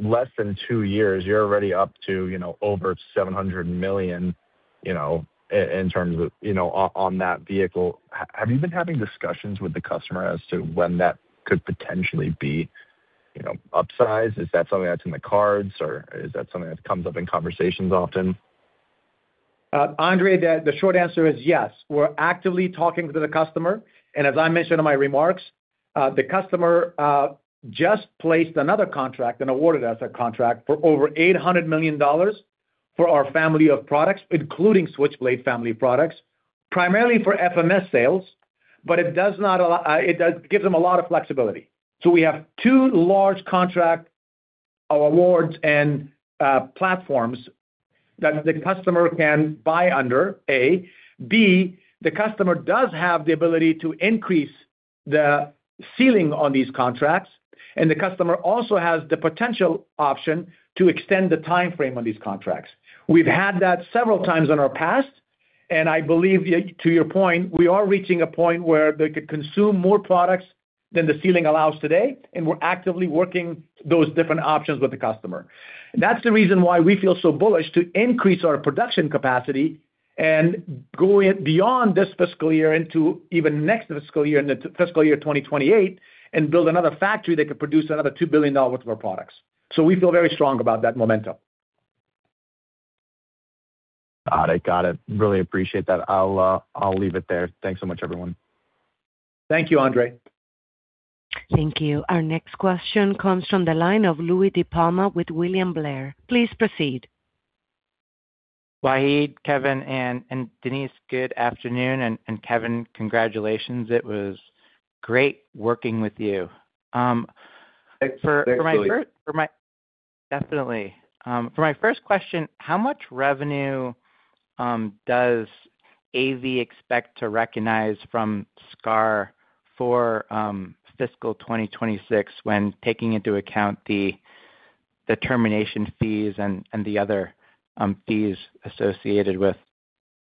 less than two years, you're already up to, you know, over $700 million, you know, in terms of, you know, on that vehicle. Have you been having discussions with the customer as to when that could potentially be, you know, upsized? Is that something that's in the cards, or is that something that comes up in conversations often? Andre, the short answer is yes. We're actively talking to the customer. As I mentioned in my remarks, the customer just placed another contract and awarded us a contract for over $800 million for our family of products, including Switchblade family products, primarily for FMS sales, but it does give them a lot of flexibility. We have two large contract awards and platforms that the customer can buy under IDIQ, the customer does have the ability to increase the ceiling on these contracts, and the customer also has the potential option to extend the timeframe on these contracts. We've had that several times in our past, and I believe, to your point, we are reaching a point where they could consume more products than the ceiling allows today, and we're actively working those different options with the customer. That's the reason why we feel so bullish to increase our production capacity and go beyond this fiscal year into even next fiscal year, in the fiscal year 2028, and build another factory that could produce another $2 billion worth of our products. We feel very strong about that momentum. Got it. Really appreciate that. I'll leave it there. Thanks so much, everyone. Thank you, Andre. Thank you. Our next question comes from the line of Louie DiPalma with William Blair. Please proceed. Wahid, Kevin, and Denise, good afternoon. Kevin, congratulations. It was great working with you. Thanks. Thanks, Louie. Definitely. For my first question, how much revenue does AV expect to recognize from SCAR for fiscal 2026 when taking into account the termination fees and the other fees associated with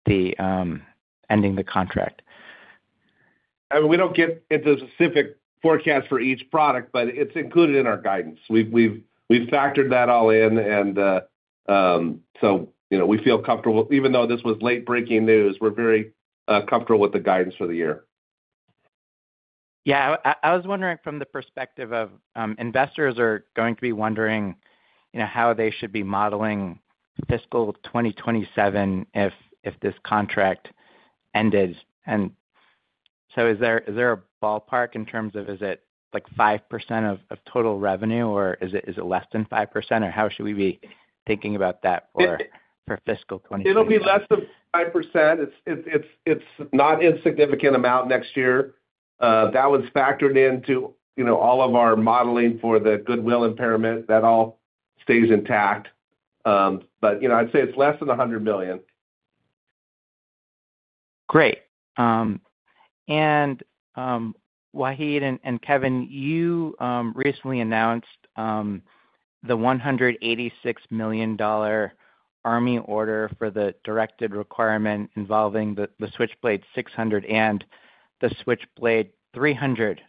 ending the contract? We don't get into specific forecast for each product, but it's included in our guidance. We've factored that all in and, so, you know, we feel comfortable. Even though this was late-breaking news, we're very comfortable with the guidance for the year. Yeah. I was wondering from the perspective of investors are going to be wondering, you know, how they should be modeling fiscal 2027 if this contract ended. Is there a ballpark in terms of is it like 5% of total revenue, or is it less than 5%, or how should we be thinking about that for fiscal 2027? It'll be less than 5%. It's not insignificant amount next year. That was factored into you know all of our modeling for the goodwill impairment. That all stays intact. You know, I'd say it's less than $100 million. Great. Wahid and Kevin, you recently announced the $186 million Army order for the directed requirement involving the Switchblade 600 and the Switchblade 300.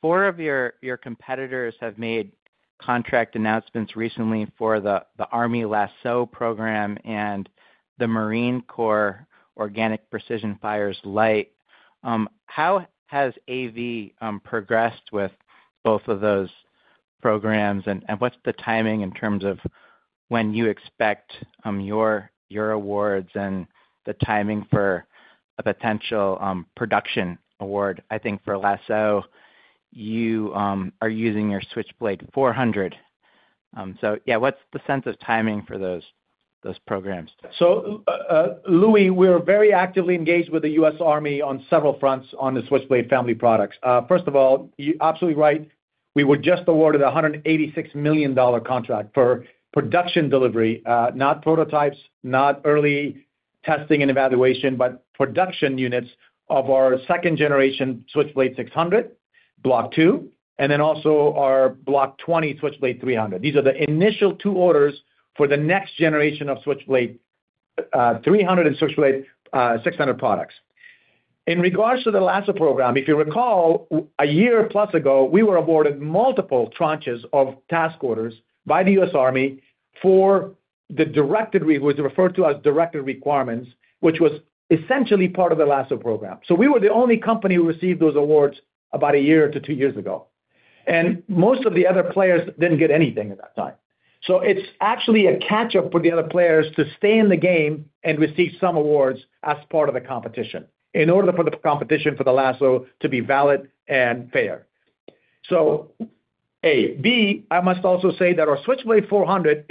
Four of your competitors have made contract announcements recently for the Army LASSO program and the Marine Corps Organic Precision Fires-Light. How has AV progressed with both of those programs, and what's the timing in terms of when you expect your awards and the timing for a potential production award? I think for LASSO, you are using your Switchblade 400. What's the sense of timing for those programs? Louis, we're very actively engaged with the U.S. Army on several fronts on the Switchblade family products. First of all, you're absolutely right. We were just awarded a $186 million contract for production delivery, not prototypes, not early testing and evaluation, but production units of our second generation Switchblade 600 Block 2, and then also our Block 20 Switchblade 300. These are the initial two orders for the next generation of Switchblade 300 and Switchblade 600 products. In regards to the LASSO program, if you recall, a year plus ago, we were awarded multiple tranches of task orders by the U.S. Army for the directed requirements, which was essentially part of the LASSO program. We were the only company who received those awards about a year to two years ago. Most of the other players didn't get anything at that time. It's actually a catch-up for the other players to stay in the game and receive some awards as part of the competition in order for the competition for the LASSO to be valid and fair. A. B, I must also say that our Switchblade 400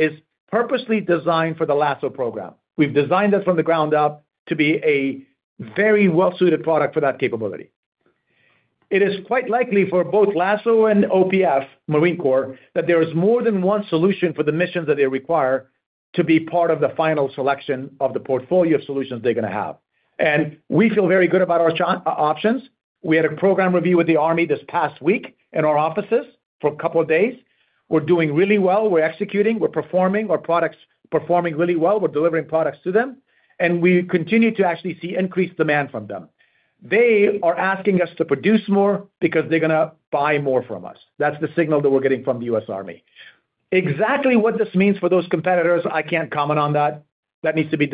is purposely designed for the LASSO program. We've designed it from the ground up to be a very well-suited product for that capability. It is quite likely for both LASSO and OPF, Marine Corps, that there is more than one solution for the missions that they require to be part of the final selection of the portfolio of solutions they're gonna have. We feel very good about our options. We had a program review with the Army this past week in our offices for a couple of days. We're doing really well. We're executing. We're performing. Our products performing really well. We're delivering products to them, and we continue to actually see increased demand from them. They are asking us to produce more because they're gonna buy more from us. That's the signal that we're getting from the U.S. Army. Exactly what this means for those competitors, I can't comment on that. That needs to be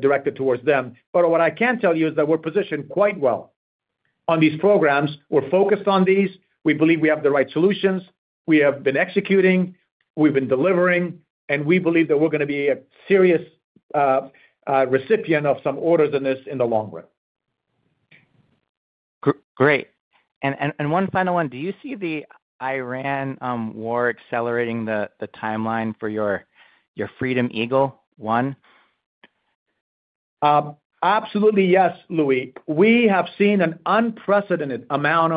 directed towards them. What I can tell you is that we're positioned quite well on these programs. We're focused on these. We believe we have the right solutions. We have been executing, we've been delivering, and we believe that we're gonna be a serious recipient of some orders in the long run. Great. One final one. Do you see the Iran war accelerating the timeline for your Freedom Eagle-1? Absolutely yes, Louie. We have seen an unprecedented amount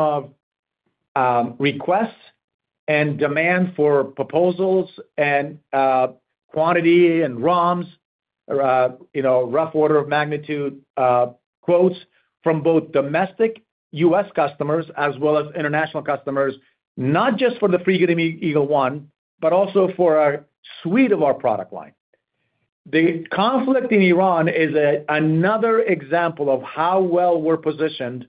of requests and demand for proposals and quantity and ROMs, you know, rough order of magnitude quotes from both domestic U.S. customers as well as international customers, not just for the Freedom Eagle-1, but also for our suite of product line. The conflict in Ukraine is another example of how well we're positioned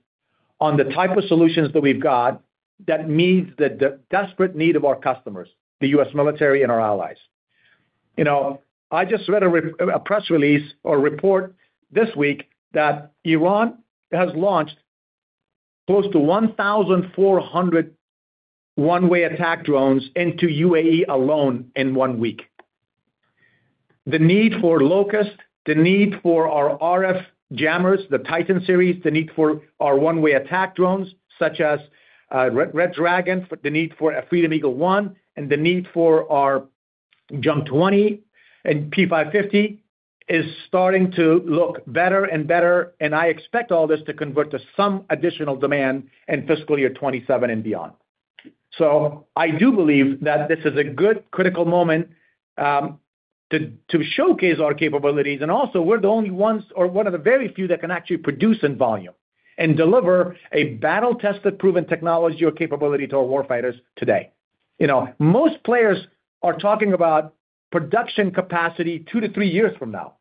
on the type of solutions that we've got that meets the desperate need of our customers, the U.S. military and our allies. You know, I just read a press release or report this week that Iran has launched close to 1,400 one-way attack drones into Ukraine alone in one week. The need for LOCUST, the need for our RF jammers, the Titan series, the need for our one-way attack drones, such as Red Dragon, the need for a Freedom Eagle One, and the need for our JUMP 20 and P550 is starting to look better and better, and I expect all this to convert to some additional demand in fiscal year 2027 and beyond. I do believe that this is a good critical moment to showcase our capabilities. Also we're the only ones, or one of the very few that can actually produce in volume and deliver a battle-tested, proven technology or capability to our warfighters today. You know, most players are talking about production capacity two to three years from now.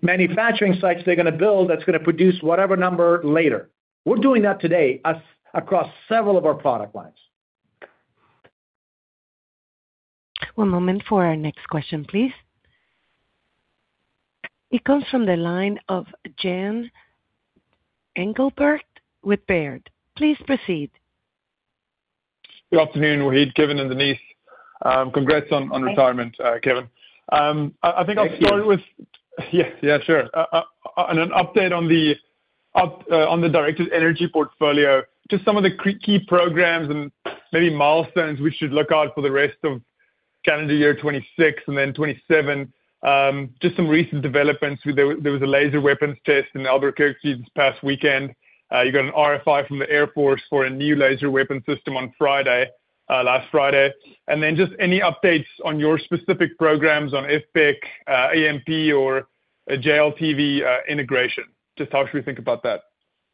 Manufacturing sites they're gonna build that's gonna produce whatever number later. We're doing that today across several of our product lines. One moment for our next question, please. It comes from the line of Jan Engelbrecht with Baird. Please proceed. Good afternoon, Wahid, Kevin, and Denise. Congrats on retirement, Kevin. I think I'll start with. Thank you. Yes. Yeah, sure. An update on the directed energy portfolio. Just some of the key programs and maybe milestones we should look out for the rest of calendar year 2026 and then 2027. Just some recent developments. There was a laser weapons test in Albuquerque this past weekend. You got an RFI from the Air Force for a new laser weapon system on Friday, last Friday. Any updates on your specific programs on FPIC, AMP or a JLTV, integration. How should we think about that?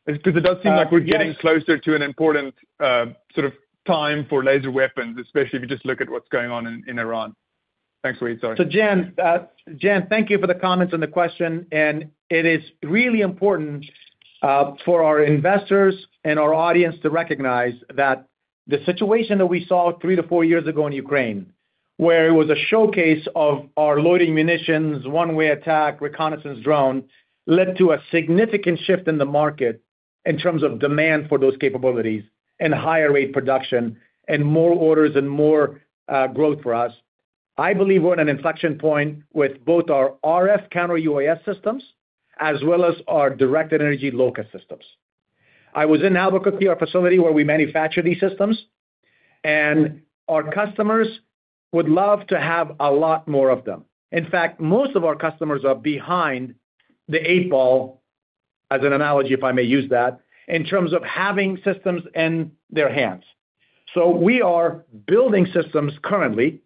Because it does seem like we're getting closer to an important sort of time for laser weapons, especially if you just look at what's going on in Iran. Thanks, Wahid. Sorry. So, Jan, thank you for the comments and the question. It is really important for our investors and our audience to recognize that the situation that we saw three to four years ago in Ukraine, where it was a showcase of our loitering munitions, one-way attack reconnaissance drone, led to a significant shift in the market in terms of demand for those capabilities and higher rate production and more orders and more growth for us. I believe we're at an inflection point with both our RF counter-UAS systems as well as our directed energy LOCUST systems. I was in Albuquerque, our facility where we manufacture these systems, and our customers would love to have a lot more of them. In fact, most of our customers are behind the eight ball, as an analogy, if I may use that, in terms of having systems in their hands. We are building systems currently,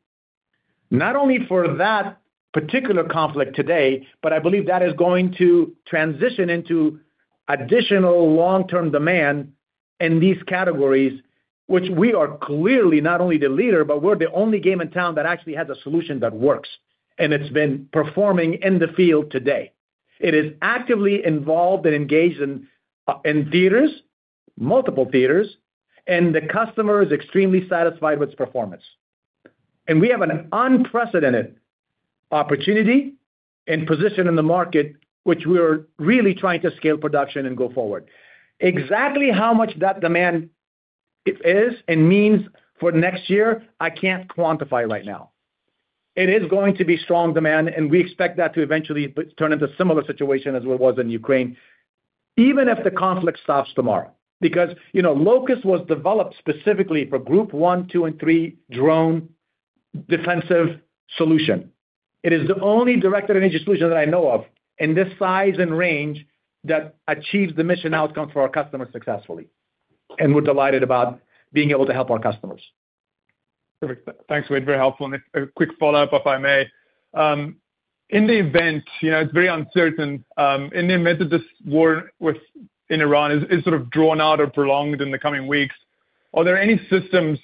not only for that particular conflict today, but I believe that is going to transition into additional long-term demand in these categories. Which we are clearly not only the leader, but we're the only game in town that actually has a solution that works. It's been performing in the field today. It is actively involved and engaged in theaters, multiple theaters, and the customer is extremely satisfied with its performance. We have an unprecedented opportunity and position in the market, which we're really trying to scale production and go forward. Exactly how much that demand is and means for next year, I can't quantify right now. It is going to be strong demand, and we expect that to eventually turn into a similar situation as it was in Ukraine, even if the conflict stops tomorrow. Because, you know, LOCUST was developed specifically for Group 1, 2, and 3 drone defense solution. It is the only directed energy solution that I know of in this size and range that achieves the mission outcome for our customers successfully. We're delighted about being able to help our customers. Perfect. Thanks, Wahid. Very helpful. Quick follow-up, if I may. In the event that this war with Iran is sort of drawn out or prolonged in the coming weeks, are there any systems?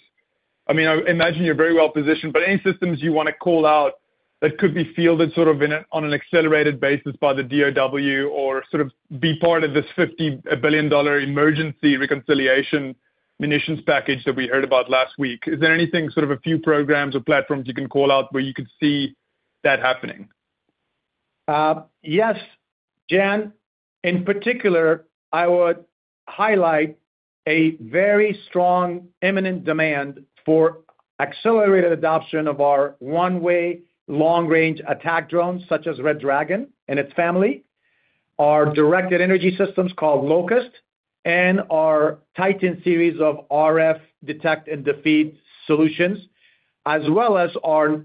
I mean, I imagine you're very well positioned, but any systems you wanna call out that could be fielded sort of on an accelerated basis by the DOD or sort of be part of this $50 billion emergency reconciliation munitions package that we heard about last week? Is there anything, sort of a few programs or platforms you can call out where you could see that happening? Yes, Jan. In particular, I would highlight a very strong imminent demand for accelerated adoption of our one-way long-range attack drones, such as Red Dragon and its family. Our directed energy systems called Locust and our Titan series of RF detect and defeat solutions, as well as our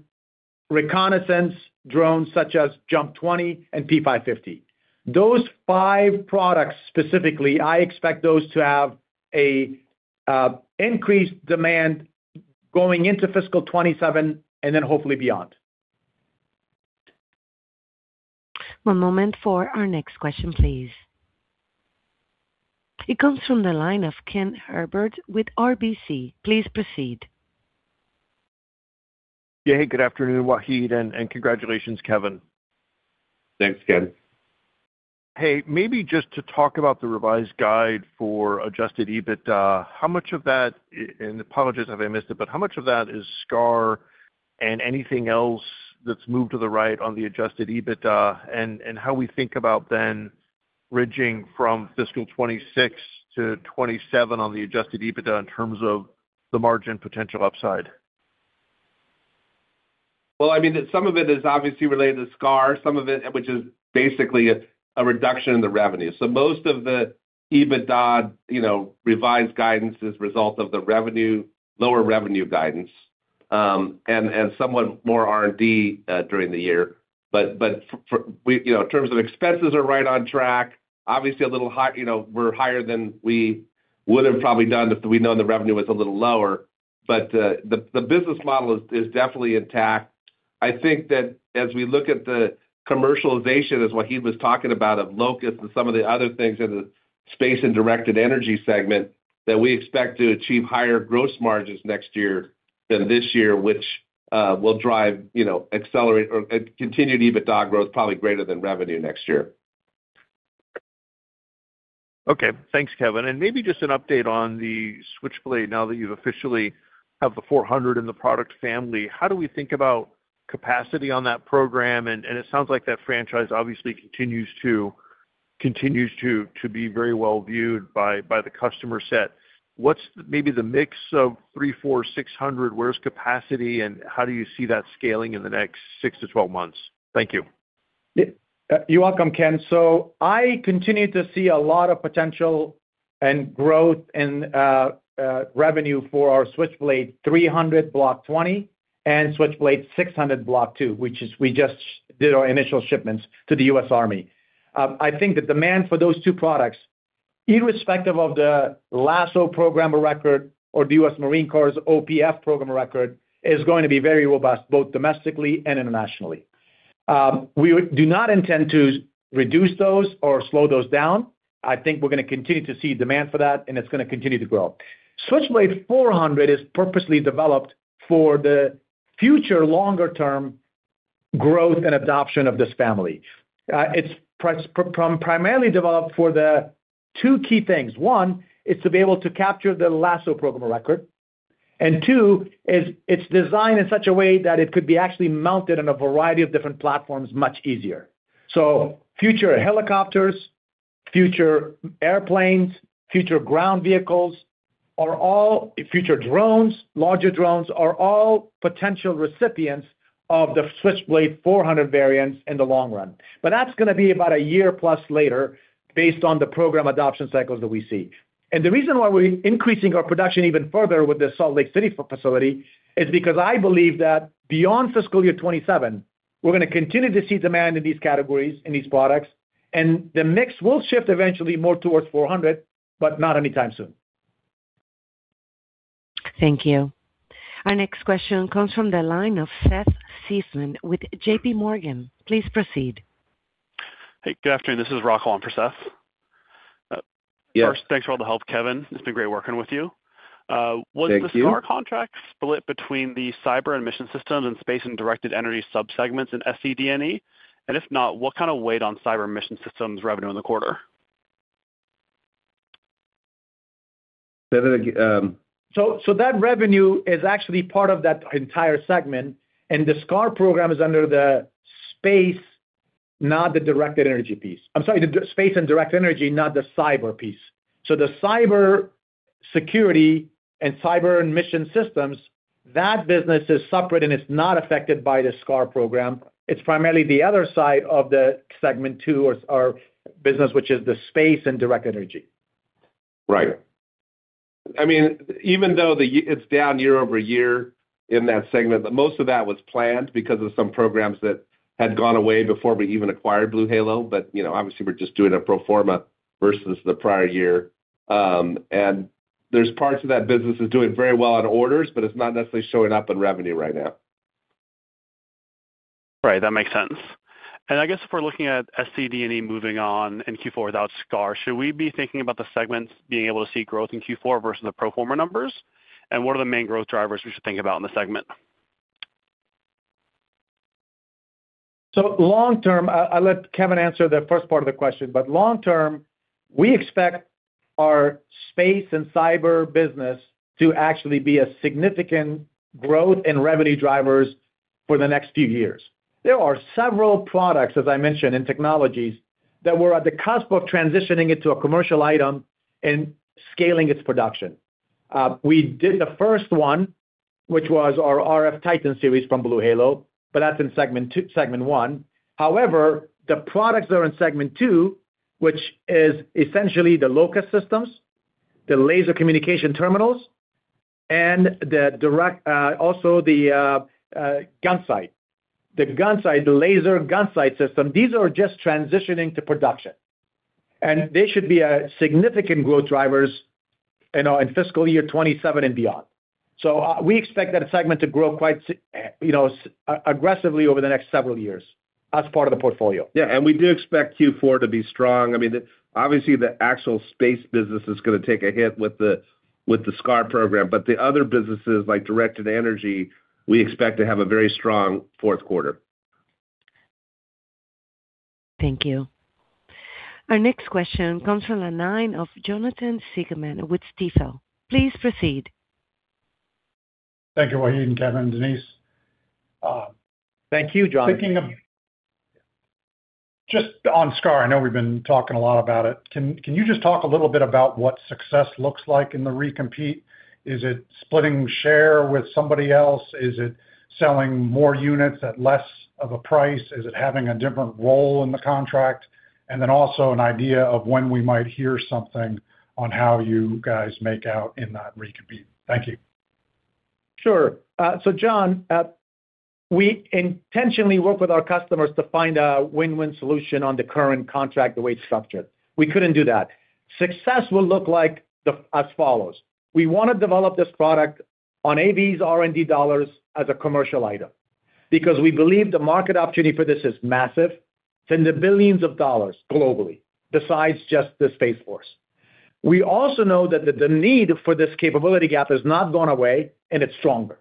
reconnaissance drones such as JUMP 20 and P550. Those five products specifically, I expect those to have increased demand going into fiscal 2027 and then hopefully beyond. One moment for our next question, please. It comes from the line of Ken Herbert with RBC Capital Markets. Please proceed. Yeah. Good afternoon, Wahid, and congratulations, Kevin. Thanks, Ken. Hey, maybe just to talk about the revised guide for Adjusted EBITDA. How much of that, and apologies if I missed it, but how much of that is SCAR and anything else that's moved to the right on the Adjusted EBITDA, and how we think about then bridging from fiscal 2026-2027 on the Adjusted EBITDA in terms of the margin potential upside. Well, I mean, some of it is obviously related to SCAR, some of it, which is basically a reduction in the revenue. Most of the EBITDA, you know, revised guidance is a result of the revenue, lower revenue guidance, and somewhat more R&D during the year. For, we... You know, in terms of expenses are right on track. Obviously, a little high, you know, we're higher than we would have probably done if we'd known the revenue was a little lower. The business model is definitely intact. I think that as we look at the commercialization, as Wahid was talking about, of LOCUST and some of the other things in the Space and Directed Energy segment, that we expect to achieve higher gross margins next year than this year, which will drive, you know, accelerate or continued EBITDA growth probably greater than revenue next year. Okay. Thanks, Kevin. Maybe just an update on the Switchblade now that you officially have the 400 in the product family. How do we think about capacity on that program? It sounds like that franchise obviously continues to be very well viewed by the customer set. What's maybe the mix of 300, 400, 600? Where's capacity, and how do you see that scaling in the next six to 12 months? Thank you. You're welcome, Ken. I continue to see a lot of potential and growth in revenue for our Switchblade 300 Block 20 and Switchblade 600 Block 2, which we just did our initial shipments to the U.S. Army. I think the demand for those two products, irrespective of the LASSO program of record or the U.S. Marine Corps' OPF program of record, is going to be very robust, both domestically and internationally. We do not intend to reduce those or slow those down. I think we're gonna continue to see demand for that, and it's gonna continue to grow. Switchblade 400 is purposely developed for the future longer-term growth and adoption of this family. It's primarily developed for the two key things. One is to be able to capture the LASSO program of record. Two is it's designed in such a way that it could be actually mounted on a variety of different platforms much easier. Future helicopters, future airplanes, future ground vehicles are all, future drones, larger drones, are all potential recipients of the Switchblade 400 variants in the long run. That's gonna be about a year plus later based on the program adoption cycles that we see. The reason why we're increasing our production even further with the Salt Lake City facility is because I believe that beyond fiscal year 2027, we're gonna continue to see demand in these categories, in these products. The mix will shift eventually more towards 400, but not anytime soon. Thank you. Our next question comes from the line of Seth Seifman with JPMorgan. Please proceed. Hey, good afternoon. This is Rocco on for Seth. Yes. First, thanks for all the help, Kevin. It's been great working with you. Thank you. Was the SCAR contract split between the cyber and mission systems and space and directed energy subsegments in SCDE? If not, what kind of weight on cyber mission systems revenue in the quarter? That revenue is actually part of that entire segment, and the SCAR program is under the space, not the directed energy piece. I'm sorry, the space and directed energy, not the cyber piece. The cyber security and cyber and mission systems, that business is separate, and it's not affected by the SCAR program. It's primarily the other side of the segment too, or business, which is the space and directed energy. Right. I mean, even though it's down year-over-year in that segment, but most of that was planned because of some programs that had gone away before we even acquired BlueHalo. You know, obviously, we're just doing a pro forma versus the prior year. There's parts of that business that's doing very well on orders, but it's not necessarily showing up in revenue right now. Right. That makes sense. I guess if we're looking at SCDE moving on in Q4 without SCAR, should we be thinking about the segments being able to see growth in Q4 versus the pro forma numbers? What are the main growth drivers we should think about in the segment? Long term, I'll let Kevin answer the first part of the question. Long term, we expect our space and cyber business to actually be a significant growth in revenue drivers for the next few years. There are several products, as I mentioned, and technologies that we're at the cusp of transitioning into a commercial item and scaling its production. We did the first one, which was our RF Titan series from BlueHalo, but that's in segment two, segment one. However, the products that are in segment two, which is essentially the LOCUST systems, the laser communication terminals, and the directed energy, also the gunsight. The gunsight, the laser gunsight system, these are just transitioning to production. They should be significant growth drivers in fiscal year 2027 and beyond. We expect that segment to grow quite aggressively over the next several years as part of the portfolio. We do expect Q4 to be strong. I mean, obviously, the actual Space business is gonna take a hit with the SCAR program. The other businesses, like Directed Energy, we expect to have a very strong fourth quarter. Thank you. Our next question comes from the line of Jonathan Siegmann with Stifel. Please proceed. Thank you, Wahid and Kevin and Denise. Thank you, Jon. Just on SCAR, I know we've been talking a lot about it. Can you just talk a little bit about what success looks like in the recompete? Is it splitting share with somebody else? Is it selling more units at less of a price? Is it having a different role in the contract? Then also an idea of when we might hear something on how you guys make out in that recompete. Thank you. Sure. Jon, we intentionally work with our customers to find a win-win solution on the current contract the way it's structured. We couldn't do that. Success will look like as follows. We wanna develop this product on AV's R&D dollars as a commercial item because we believe the market opportunity for this is massive. It's in the billions of dollars globally, besides just the Space Force. We also know that the need for this capability gap has not gone away, and it's stronger.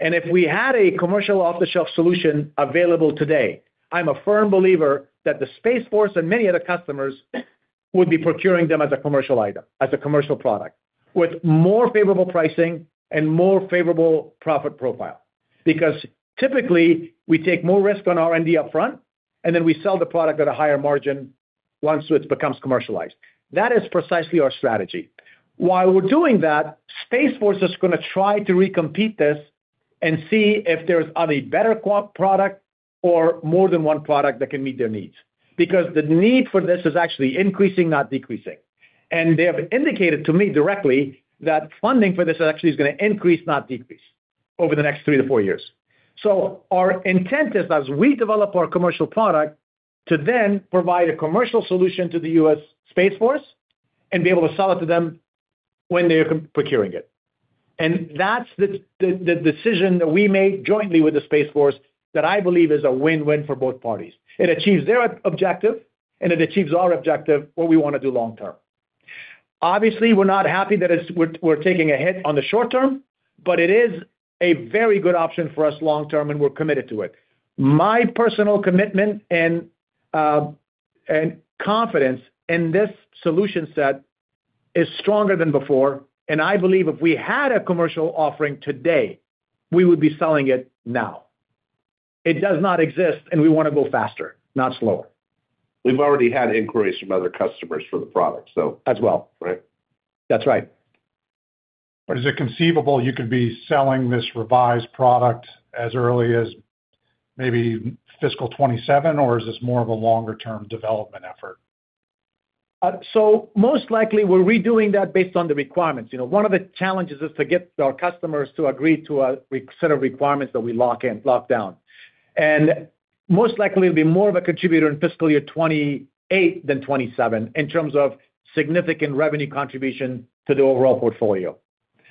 If we had a commercial off-the-shelf solution available today, I'm a firm believer that the Space Force and many other customers would be procuring them as a commercial item, as a commercial product with more favorable pricing and more favorable profit profile. Because typically, we take more risk on R&D upfront, and then we sell the product at a higher margin once it becomes commercialized. That is precisely our strategy. While we're doing that, Space Force is gonna try to recompete this and see if there's better qualified product or more than one product that can meet their needs. Because the need for this is actually increasing, not decreasing. They have indicated to me directly that funding for this actually is gonna increase, not decrease, over the next three to four years. Our intent is, as we develop our commercial product, to then provide a commercial solution to the U.S. Space Force and be able to sell it to them when they're procuring it. That's the decision that we made jointly with the Space Force that I believe is a win-win for both parties. It achieves their objective, and it achieves our objective, what we wanna do long term. Obviously, we're not happy that we're taking a hit on the short term, but it is a very good option for us long term, and we're committed to it. My personal commitment and confidence in this solution set is stronger than before, and I believe if we had a commercial offering today, we would be selling it now. It does not exist, and we wanna go faster, not slower. We've already had inquiries from other customers for the product, so. As well. Right. That's right. Is it conceivable you could be selling this revised product as early as maybe fiscal 2027, or is this more of a longer-term development effort? Most likely we're redoing that based on the requirements. You know, one of the challenges is to get our customers to agree to a reset of requirements that we lock in, lock down. Most likely it'll be more of a contributor in fiscal year 2028 than 2027 in terms of significant revenue contribution to the overall portfolio.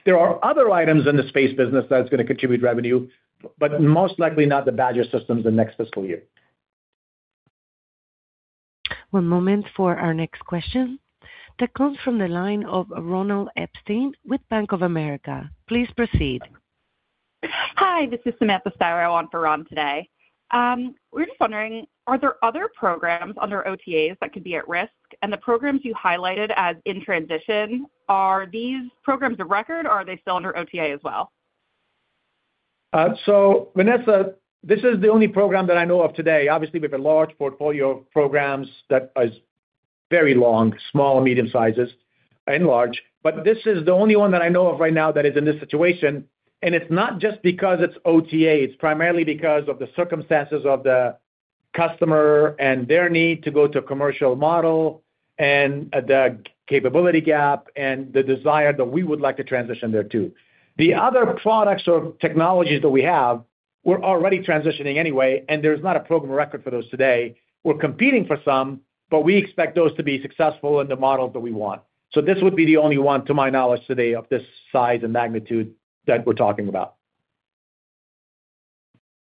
There are other items in the space business that's gonna contribute revenue, but most likely not the BADGER systems the next fiscal year. One moment for our next question that comes from the line of Ronald Epstein with Bank of America. Please proceed. Hi, this is Samantha Stiroh on for Ron today. We're just wondering, are there other programs under OTAs that could be at risk? The programs you highlighted as in transition, are these programs of record, or are they still under OTA as well? Samantha, this is the only program that I know of today. Obviously, we have a large portfolio of programs that is very long, small and medium sizes and large. This is the only one that I know of right now that is in this situation. It's not just because it's OTA. It's primarily because of the circumstances of the customer and their need to go to a commercial model and the capability gap and the desire that we would like to transition there too. The other products or technologies that we have, we're already transitioning anyway, and there's not a program of record for those today. We're competing for some, but we expect those to be successful in the models that we want. This would be the only one, to my knowledge today, of this size and magnitude that we're talking about.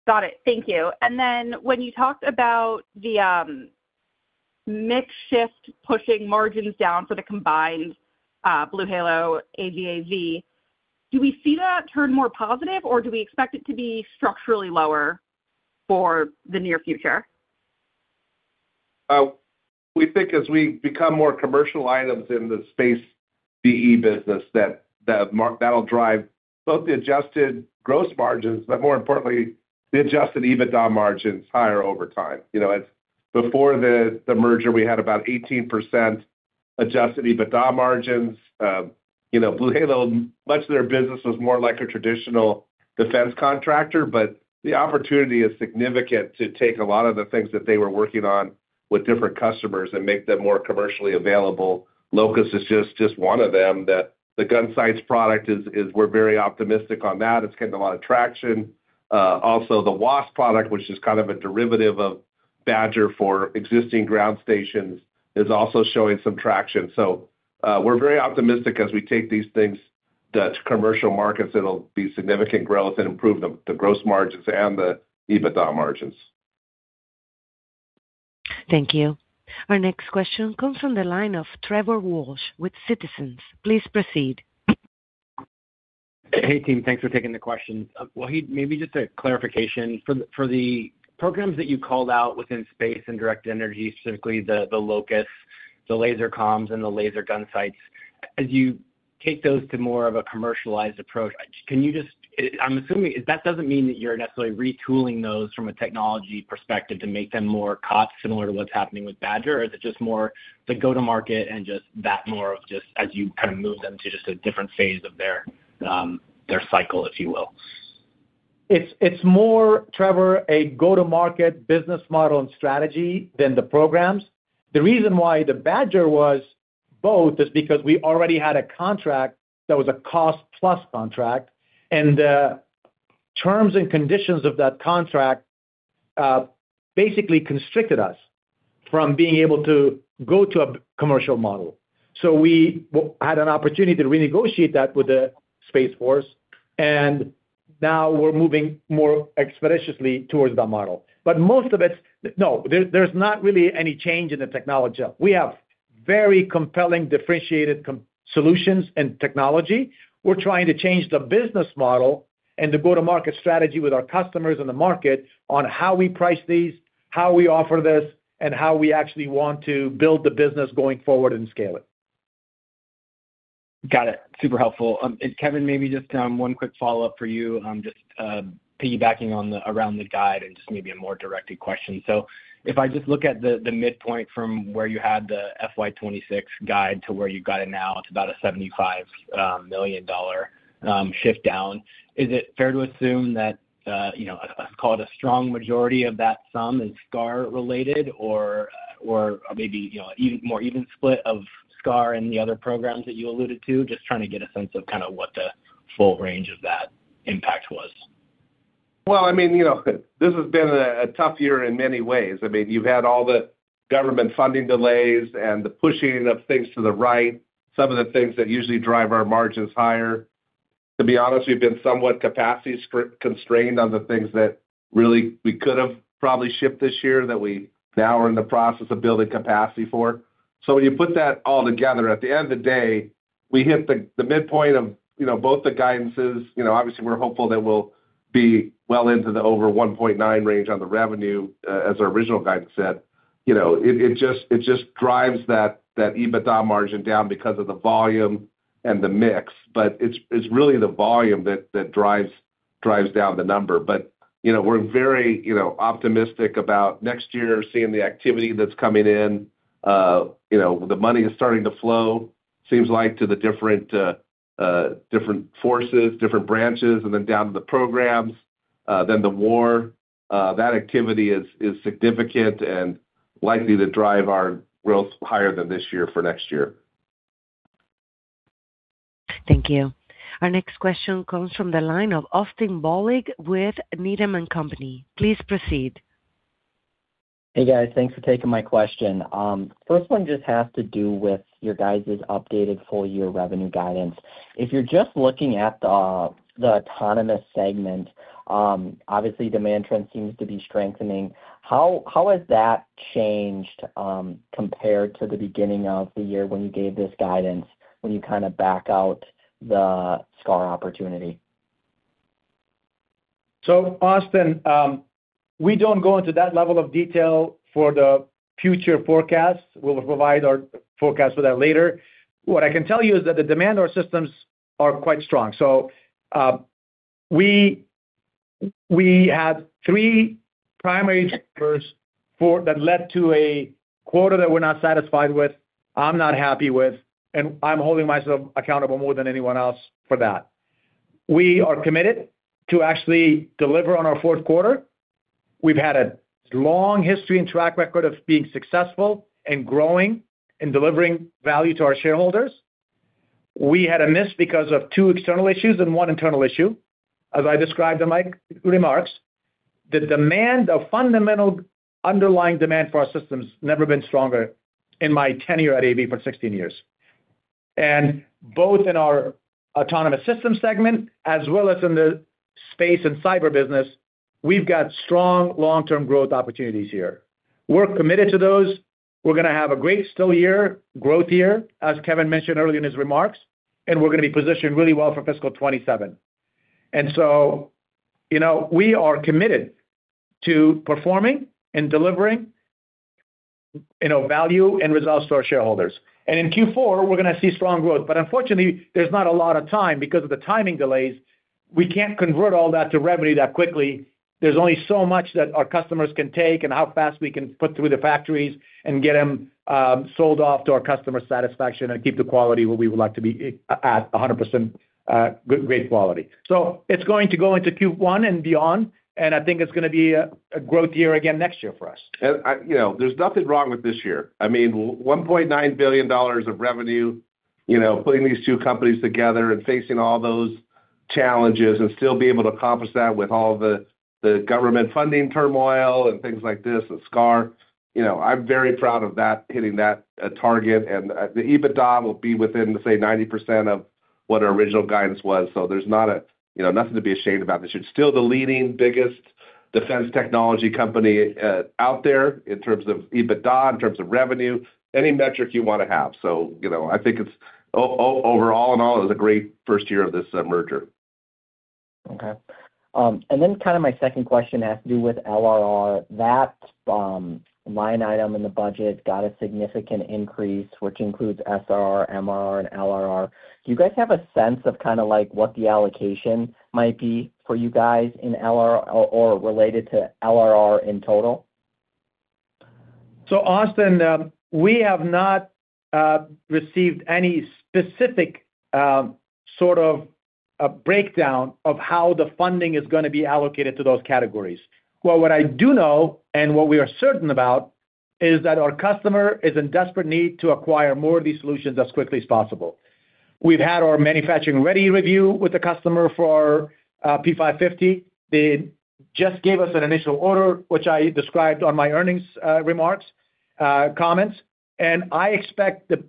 Got it. Thank you. When you talked about the mix shift pushing margins down for the combined BlueHalo AVAV, do we see that turn more positive, or do we expect it to be structurally lower for the near future? We think as we become more commercial items in the Space and DE business, that'll drive both the adjusted gross margins, but more importantly, the Adjusted EBITDA margins higher over time. You know, it's before the merger, we had about 18% Adjusted EBITDA margins. You know, BlueHalo, much of their business was more like a traditional defense contractor. The opportunity is significant to take a lot of the things that they were working on with different customers and make them more commercially available. LOCUST is just one of them. The gun sights product is. We're very optimistic on that. It's getting a lot of traction. Also the Wasp product, which is kind of a derivative of Badger for existing ground stations, is also showing some traction. We're very optimistic as we take these things to commercial markets, it'll be significant growth and improve the gross margins and the EBITDA margins. Thank you. Our next question comes from the line of Trevor Walsh with Citizens. Please proceed. Hey, team. Thanks for taking the questions. Wahid, maybe just a clarification. For the programs that you called out within space and directed energy, specifically the LOCUST, the laser comms and the laser gun sights, as you take those to more of a commercialized approach, I'm assuming that doesn't mean that you're necessarily retooling those from a technology perspective to make them more cost similar to what's happening with Badger? Or is it just more the go-to-market and just that more of just as you kind of move them to just a different phase of their cycle, if you will? It's more, Trevor, a go-to-market business model and strategy than the programs. The reason why the BADGER was both is because we already had a contract that was a cost-plus contract, and terms and conditions of that contract basically constrained us from being able to go to a commercial model. We had an opportunity to renegotiate that with the Space Force, and now we're moving more expeditiously towards that model. Most of it, no, there's not really any change in the technology. We have very compelling, differentiated solutions and technology. We're trying to change the business model and the go-to-market strategy with our customers in the market on how we price these, how we offer this, and how we actually want to build the business going forward and scale it. Got it. Super helpful. Kevin, maybe just one quick follow-up for you, just piggybacking on the guide and just maybe a more directed question. If I just look at the midpoint from where you had the FY 2026 guide to where you've got it now, it's about a $75 million shift down. Is it fair to assume that, you know, let's call it a strong majority of that sum is SCAR related or maybe, you know, even more even split of SCAR and the other programs that you alluded to? Just trying to get a sense of kinda what the full range of that impact was. Well, I mean, you know, this has been a tough year in many ways. I mean, you've had all the government funding delays and the pushing of things to the right, some of the things that usually drive our margins higher. To be honest, we've been somewhat capacity constrained on the things that really we could have probably shipped this year that we now are in the process of building capacity for. When you put that all together, at the end of the day, we hit the midpoint of, you know, both the guidances. You know, obviously, we're hopeful that we'll be well into the over $1.9 billion range on the revenue as our original guidance said. You know, it just drives that EBITDA margin down because of the volume and the mix. It's really the volume that drives down the number. You know, we're very, you know, optimistic about next year, seeing the activity that's coming in. The money is starting to flow, seems like to the different forces, different branches, and then down to the programs, then the war. That activity is significant and likely to drive our growth higher than this year for next year. Thank you. Our next question comes from the line of Austin Bohlig with Needham & Company. Please proceed. Hey, guys. Thanks for taking my question. First one just has to do with your guys' updated full year revenue guidance. If you're just looking at the autonomous segment, obviously demand trend seems to be strengthening. How has that changed compared to the beginning of the year when you gave this guidance, when you kinda back out the SCAR opportunity? Austin, we don't go into that level of detail for the future forecasts. We'll provide our forecast for that later. What I can tell you is that the demand on systems are quite strong. We had three primary drivers that led to a quota that we're not satisfied with, I'm not happy with, and I'm holding myself accountable more than anyone else for that. We are committed to actually deliver on our fourth quarter. We've had a long history and track record of being successful and growing and delivering value to our shareholders. We had a miss because of two external issues and one internal issue. As I described in my remarks, the demand, the fundamental underlying demand for our systems never been stronger in my tenure at AV for 16 years. Both in our autonomous systems segment as well as in the space and cyber business, we've got strong long-term growth opportunities here. We're committed to those. We're gonna have a great still year, growth year, as Kevin mentioned earlier in his remarks, and we're gonna be positioned really well for fiscal 2027. You know, we are committed to performing and delivering, you know, value and results to our shareholders. In Q4, we're gonna see strong growth, but unfortunately, there's not a lot of time because of the timing delays. We can't convert all that to revenue that quickly. There's only so much that our customers can take and how fast we can put through the factories and get them sold off to our customer satisfaction and keep the quality where we would like to be at 100%, great quality. It's going to go into Q1 and beyond, and I think it's gonna be a growth year again next year for us. You know, there's nothing wrong with this year. I mean, $1.9 billion of revenue, you know, putting these two companies together and facing all those challenges and still be able to accomplish that with all the government funding turmoil and things like this and SCAR. You know, I'm very proud of that, hitting that target. The EBITDA will be within, say, 90% of what our original guidance was. So there's nothing to be ashamed about this year. You know, it's still the leading biggest defense technology company out there in terms of EBITDA, in terms of revenue, any metric you wanna have. You know, I think it's overall, in all, it was a great first year of this merger. Okay, my second question has to do with LRR. That line item in the budget got a significant increase, which includes SRR, MRR, and LRR. Do you guys have a sense of kinda like what the allocation might be for you guys in LR or related to LRR in total? Austin, we have not received any specific sort of a breakdown of how the funding is gonna be allocated to those categories. Well, what I do know and what we are certain about is that our customer is in desperate need to acquire more of these solutions as quickly as possible. We've had our manufacturing ready review with the customer for P550. They just gave us an initial order, which I described on my earnings remarks comments. I expect the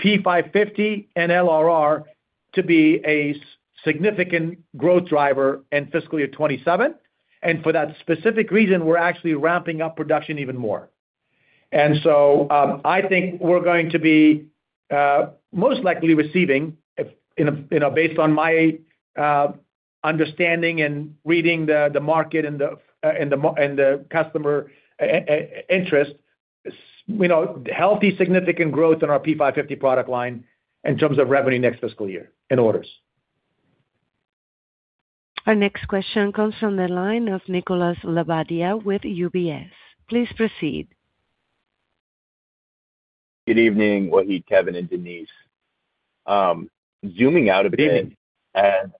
P550 and LRR to be a significant growth driver in fiscal year 2027. For that specific reason, we're actually ramping up production even more. I think we're going to be most likely receiving, based on my understanding and reading the market and the customer interest, you know, healthy, significant growth in our P550 product line in terms of revenue next fiscal year and orders. Our next question comes from the line of Nicholas Labbadia with UBS. Please proceed. Good evening, Wahid, Kevin, and Denise. Zooming out a bit. Good evening. And,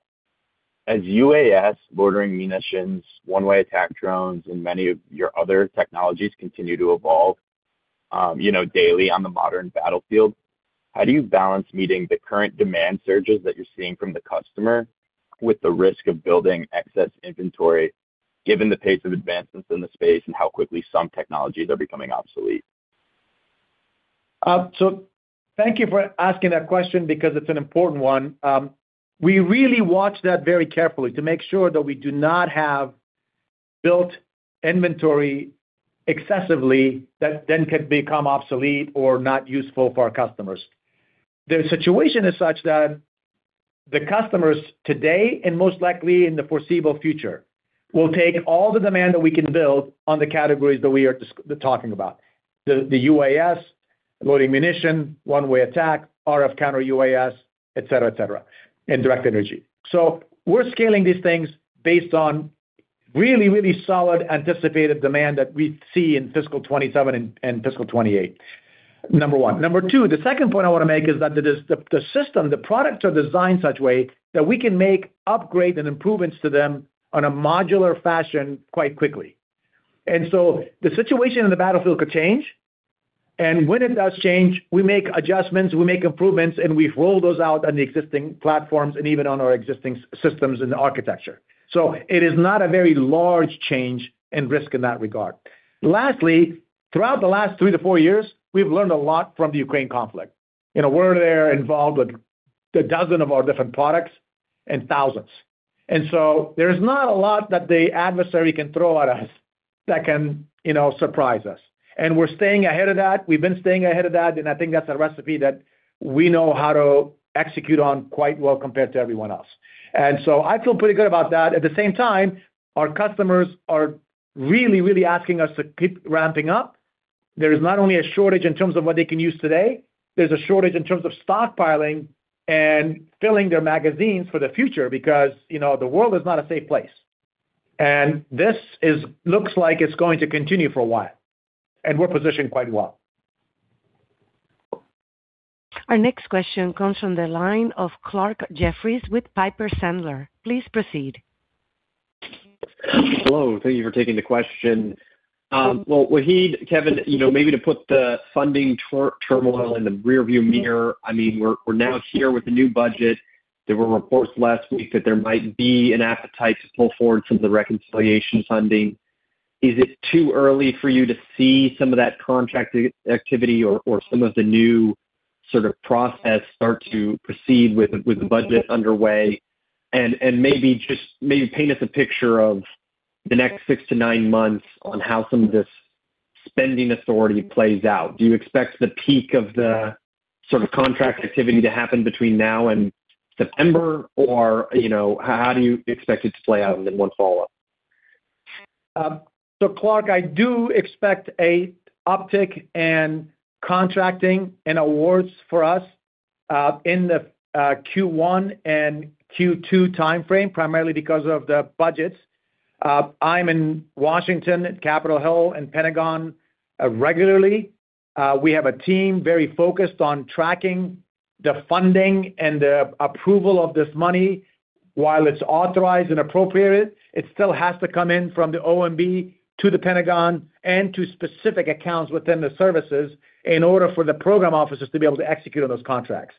as UAS, loitering munitions, one-way attack drones, and many of your other technologies continue to evolve, you know, daily on the modern battlefield, how do you balance meeting the current demand surges that you're seeing from the customer with the risk of building excess inventory, given the pace of advancements in the space and how quickly some technologies are becoming obsolete? Thank you for asking that question because it's an important one. We really watch that very carefully to make sure that we do not have built inventory excessively that then can become obsolete or not useful for our customers. The situation is such that the customers today, and most likely in the foreseeable future, will take all the demand that we can build on the categories that we are talking about, the UAS, loitering munition, one-way attack, RF counter UAS, et cetera, et cetera, and directed energy. We're scaling these things based on really, really solid anticipated demand that we see in fiscal 2027 and fiscal 2028, number one. Number two, the second point I wanna make is that the system, the products are designed such a way that we can make upgrades and improvements to them in a modular fashion quite quickly. The situation in the battlefield could change. When it does change, we make adjustments, we make improvements, and we roll those out on the existing platforms and even on our existing systems and architecture. It is not a very large change and risk in that regard. Lastly, throughout the last three to four years, we've learned a lot from the Ukraine conflict. You know, we're heavily involved with 12 of our different products and thousands. There's not a lot that the adversary can throw at us that can, you know, surprise us. We're staying ahead of that. We've been staying ahead of that, and I think that's a recipe that we know how to execute on quite well compared to everyone else. I feel pretty good about that. At the same time, our customers are really, really asking us to keep ramping up. There is not only a shortage in terms of what they can use today, there's a shortage in terms of stockpiling and filling their magazines for the future because, you know, the world is not a safe place. This looks like it's going to continue for a while, and we're positioned quite well. Our next question comes from the line of Clarke Jeffries with Piper Sandler. Please proceed. Hello. Thank you for taking the question. Well, Wahid, Kevin, you know, maybe to put the funding turmoil in the rear view mirror, I mean, we're now here with the new budget. There were reports last week that there might be an appetite to pull forward some of the reconciliation funding. Is it too early for you to see some of that contract activity or some of the new sort of process start to proceed with the budget underway? Maybe paint us a picture of the next six to nine months on how some of this spending authority plays out. Do you expect the peak of the sort of contract activity to happen between now and September? Or, you know, how do you expect it to play out? And then one follow-up. Clarke, I do expect an uptick in contracting and awards for us in the Q1 and Q2 timeframe, primarily because of the budgets. I'm in Washington, Capitol Hill, and Pentagon regularly. We have a team very focused on tracking the funding and the approval of this money. While it's authorized and appropriated, it still has to come in from the OMB to the Pentagon and to specific accounts within the services in order for the program offices to be able to execute on those contracts.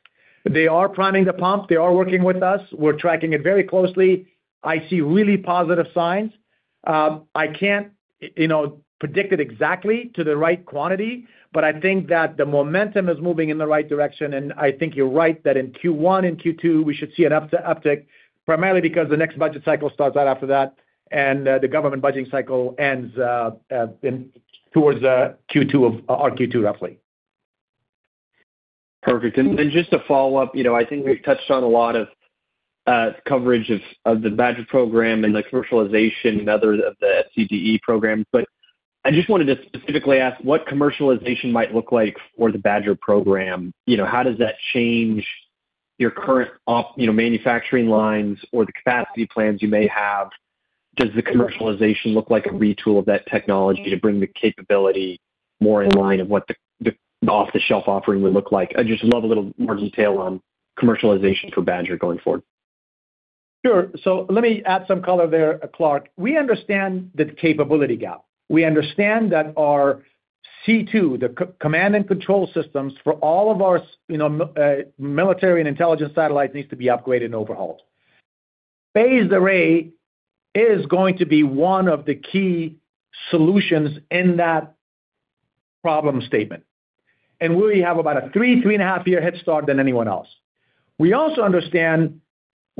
They are priming the pump. They are working with us. We're tracking it very closely. I see really positive signs. I can't, you know, predict it exactly to the right quantity, but I think that the momentum is moving in the right direction. I think you're right that in Q1 and Q2, we should see an uptick, primarily because the next budget cycle starts out after that, and the government budgeting cycle ends towards Q2, roughly. Perfect. Just a follow-up. You know, I think we've touched on a lot of coverage of the Badger program and the commercialization and others of the SCDE programs. I just wanted to specifically ask what commercialization might look like for the Badger program. You know, how does that change your current, you know, manufacturing lines or the capacity plans you may have? Does the commercialization look like a retool of that technology to bring the capability more in line with what the off-the-shelf offering would look like? I'd just love a little more detail on commercialization for Badger going forward. Sure. Let me add some color there, Clarke. We understand the capability gap. We understand that our C2, the command and control systems for all of our military and intelligence satellites needs to be upgraded and overhauled. Phased array is going to be one of the key solutions in that problem statement. We have about a three, three and a half year head start than anyone else. We also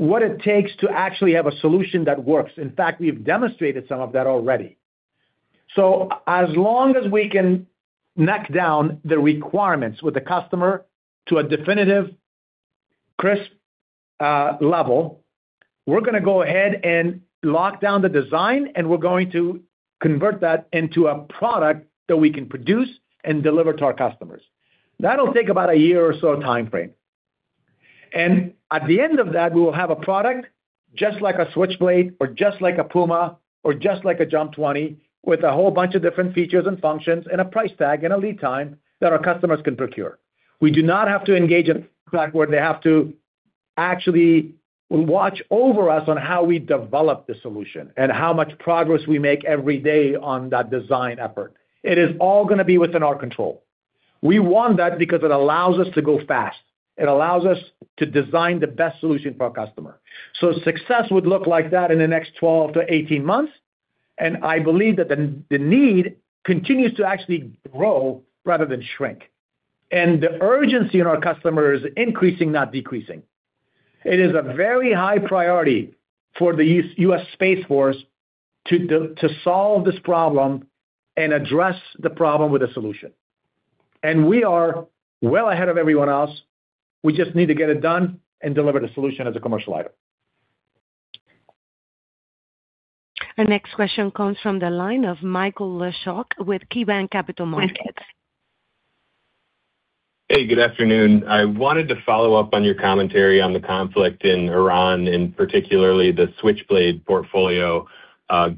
understand what it takes to actually have a solution that works. In fact, we've demonstrated some of that already. As long as we can narrow down the requirements with the customer to a definitive crisp level, we're gonna go ahead and lock down the design, and we're going to convert that into a product that we can produce and deliver to our customers. That'll take about a year or so timeframe. At the end of that, we will have a product just like a Switchblade or just like a Puma or just like a JUMP 20 with a whole bunch of different features and functions and a price tag and a lead time that our customers can procure. We do not have to engage in a contract where they have to actually watch over us on how we develop the solution and how much progress we make every day on that design effort. It is all gonna be within our control. We want that because it allows us to go fast. It allows us to design the best solution for our customer. Success would look like that in the next 12-18 months, and I believe that the need continues to actually grow rather than shrink. The urgency in our customer is increasing, not decreasing. It is a very high priority for the U.S. Space Force to solve this problem and address the problem with a solution. We are well ahead of everyone else. We just need to get it done and deliver the solution as a commercial item. Our next question comes from the line of Michael Leshock with KeyBanc Capital Markets. Hey, good afternoon. I wanted to follow up on your commentary on the conflict in Iran, and particularly the Switchblade portfolio.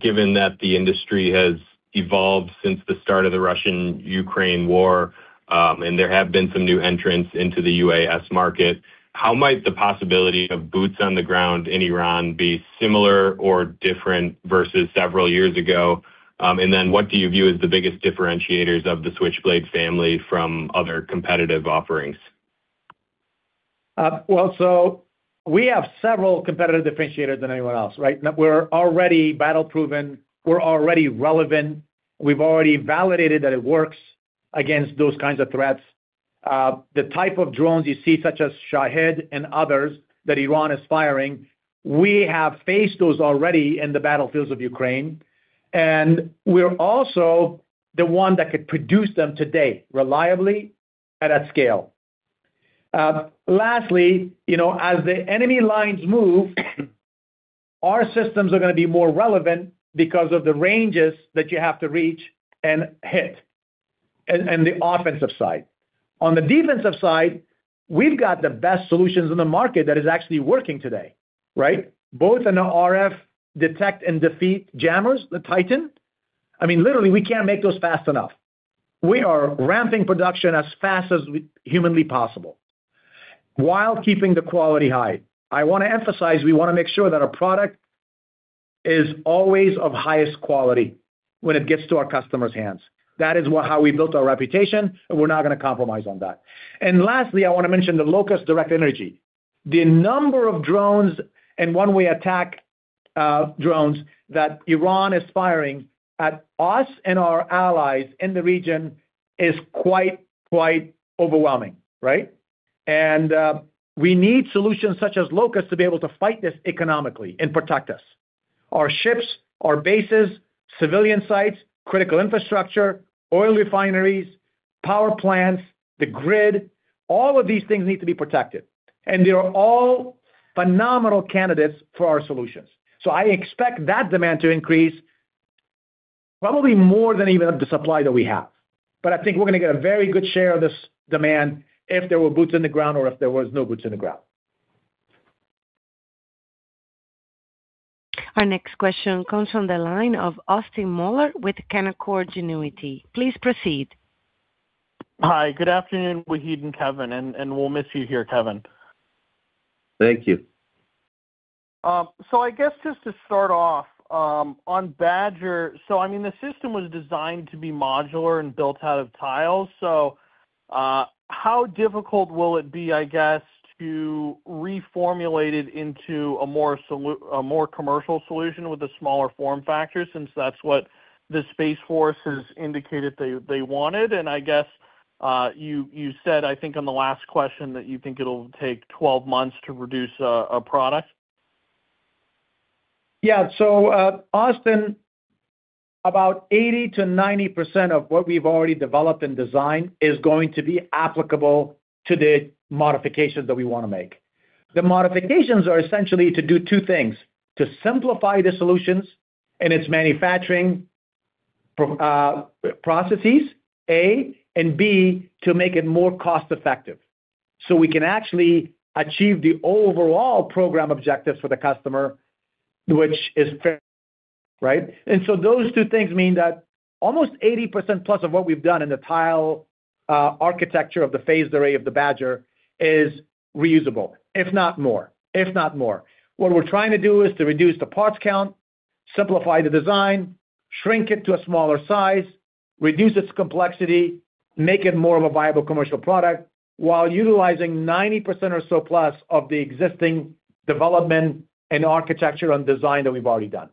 Given that the industry has evolved since the start of the Russia-Ukraine war, and there have been some new entrants into the UAS market, how might the possibility of boots on the ground in Iran be similar or different versus several years ago? Then what do you view as the biggest differentiators of the Switchblade family from other competitive offerings? We have several competitive differentiators than anyone else, right? We're already battle-proven. We're already relevant. We've already validated that it works against those kinds of threats. The type of drones you see such as Shahed and others that Iran is firing, we have faced those already in the battlefields of Ukraine, and we're also the one that could produce them today reliably and at scale. Lastly, you know, as the enemy lines move, our systems are gonna be more relevant because of the ranges that you have to reach and hit and the offensive side. On the defensive side, we've got the best solutions in the market that is actually working today, right? Both in the RF detect and defeat jammers, the Titan. I mean, literally, we can't make those fast enough. We are ramping production as fast as humanly possible while keeping the quality high. I wanna emphasize, we wanna make sure that our product is always of highest quality when it gets to our customers' hands. That is how we built our reputation, and we're not gonna compromise on that. Lastly, I wanna mention the LOCUST directed energy. The number of drones and one-way attack drones that Iran is firing at us and our allies in the region is quite overwhelming, right? We need solutions such as LOCUST to be able to fight this economically and protect us. Our ships, our bases, civilian sites, critical infrastructure, oil refineries, power plants, the grid, all of these things need to be protected. They are all phenomenal candidates for our solutions. I expect that demand to increase probably more than even the supply that we have. I think we're gonna get a very good share of this demand if there were boots in the ground or if there was no boots in the ground. Our next question comes from the line of Austin Moeller with Canaccord Genuity. Please proceed. Hi. Good afternoon, Wahid and Kevin. We'll miss you here, Kevin. Thank you. I guess just to start off on BADGER. I mean, the system was designed to be modular and built out of tiles. How difficult will it be, I guess, to reformulate it into a more commercial solution with a smaller form factor since that's what the Space Force has indicated they wanted? I guess you said, I think on the last question, that you think it'll take 12 months to produce a product. Yeah. Austin, about 80%-90% of what we've already developed and designed is going to be applicable to the modifications that we wanna make. The modifications are essentially to do two things, to simplify the solutions and its manufacturing processes, A, and B, to make it more cost-effective, so we can actually achieve the overall program objectives for the customer, which is fair, right? Those two things mean that almost 80%+ of what we've done in the tile architecture of the phased array of the Badger is reusable, if not more. What we're trying to do is to reduce the parts count, simplify the design, shrink it to a smaller size, reduce its complexity, make it more of a viable commercial product while utilizing 90% or so plus of the existing development and architecture, and design that we've already done.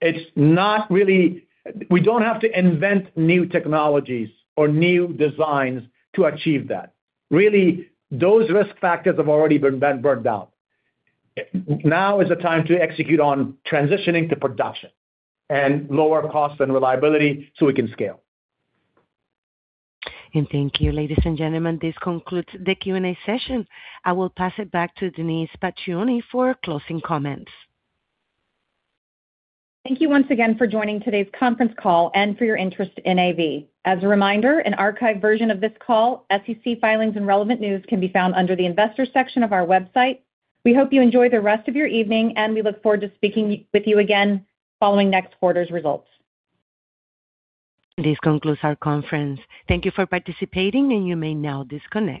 It's not really. We don't have to invent new technologies or new designs to achieve that. Really, those risk factors have already been burned out. Now is the time to execute on transitioning to production and lower costs and reliability so we can scale. Thank you. Ladies, and gentlemen, this concludes the Q&A session. I will pass it back to Denise Pacioni for closing comments. Thank you once again for joining today's conference call and for your interest in AV. As a reminder, an archived version of this call, SEC filings, and relevant news can be found under the investors section of our website. We hope you enjoy the rest of your evening, and we look forward to speaking with you again following next quarter's results. This concludes our conference. Thank you for participating, and you may now disconnect.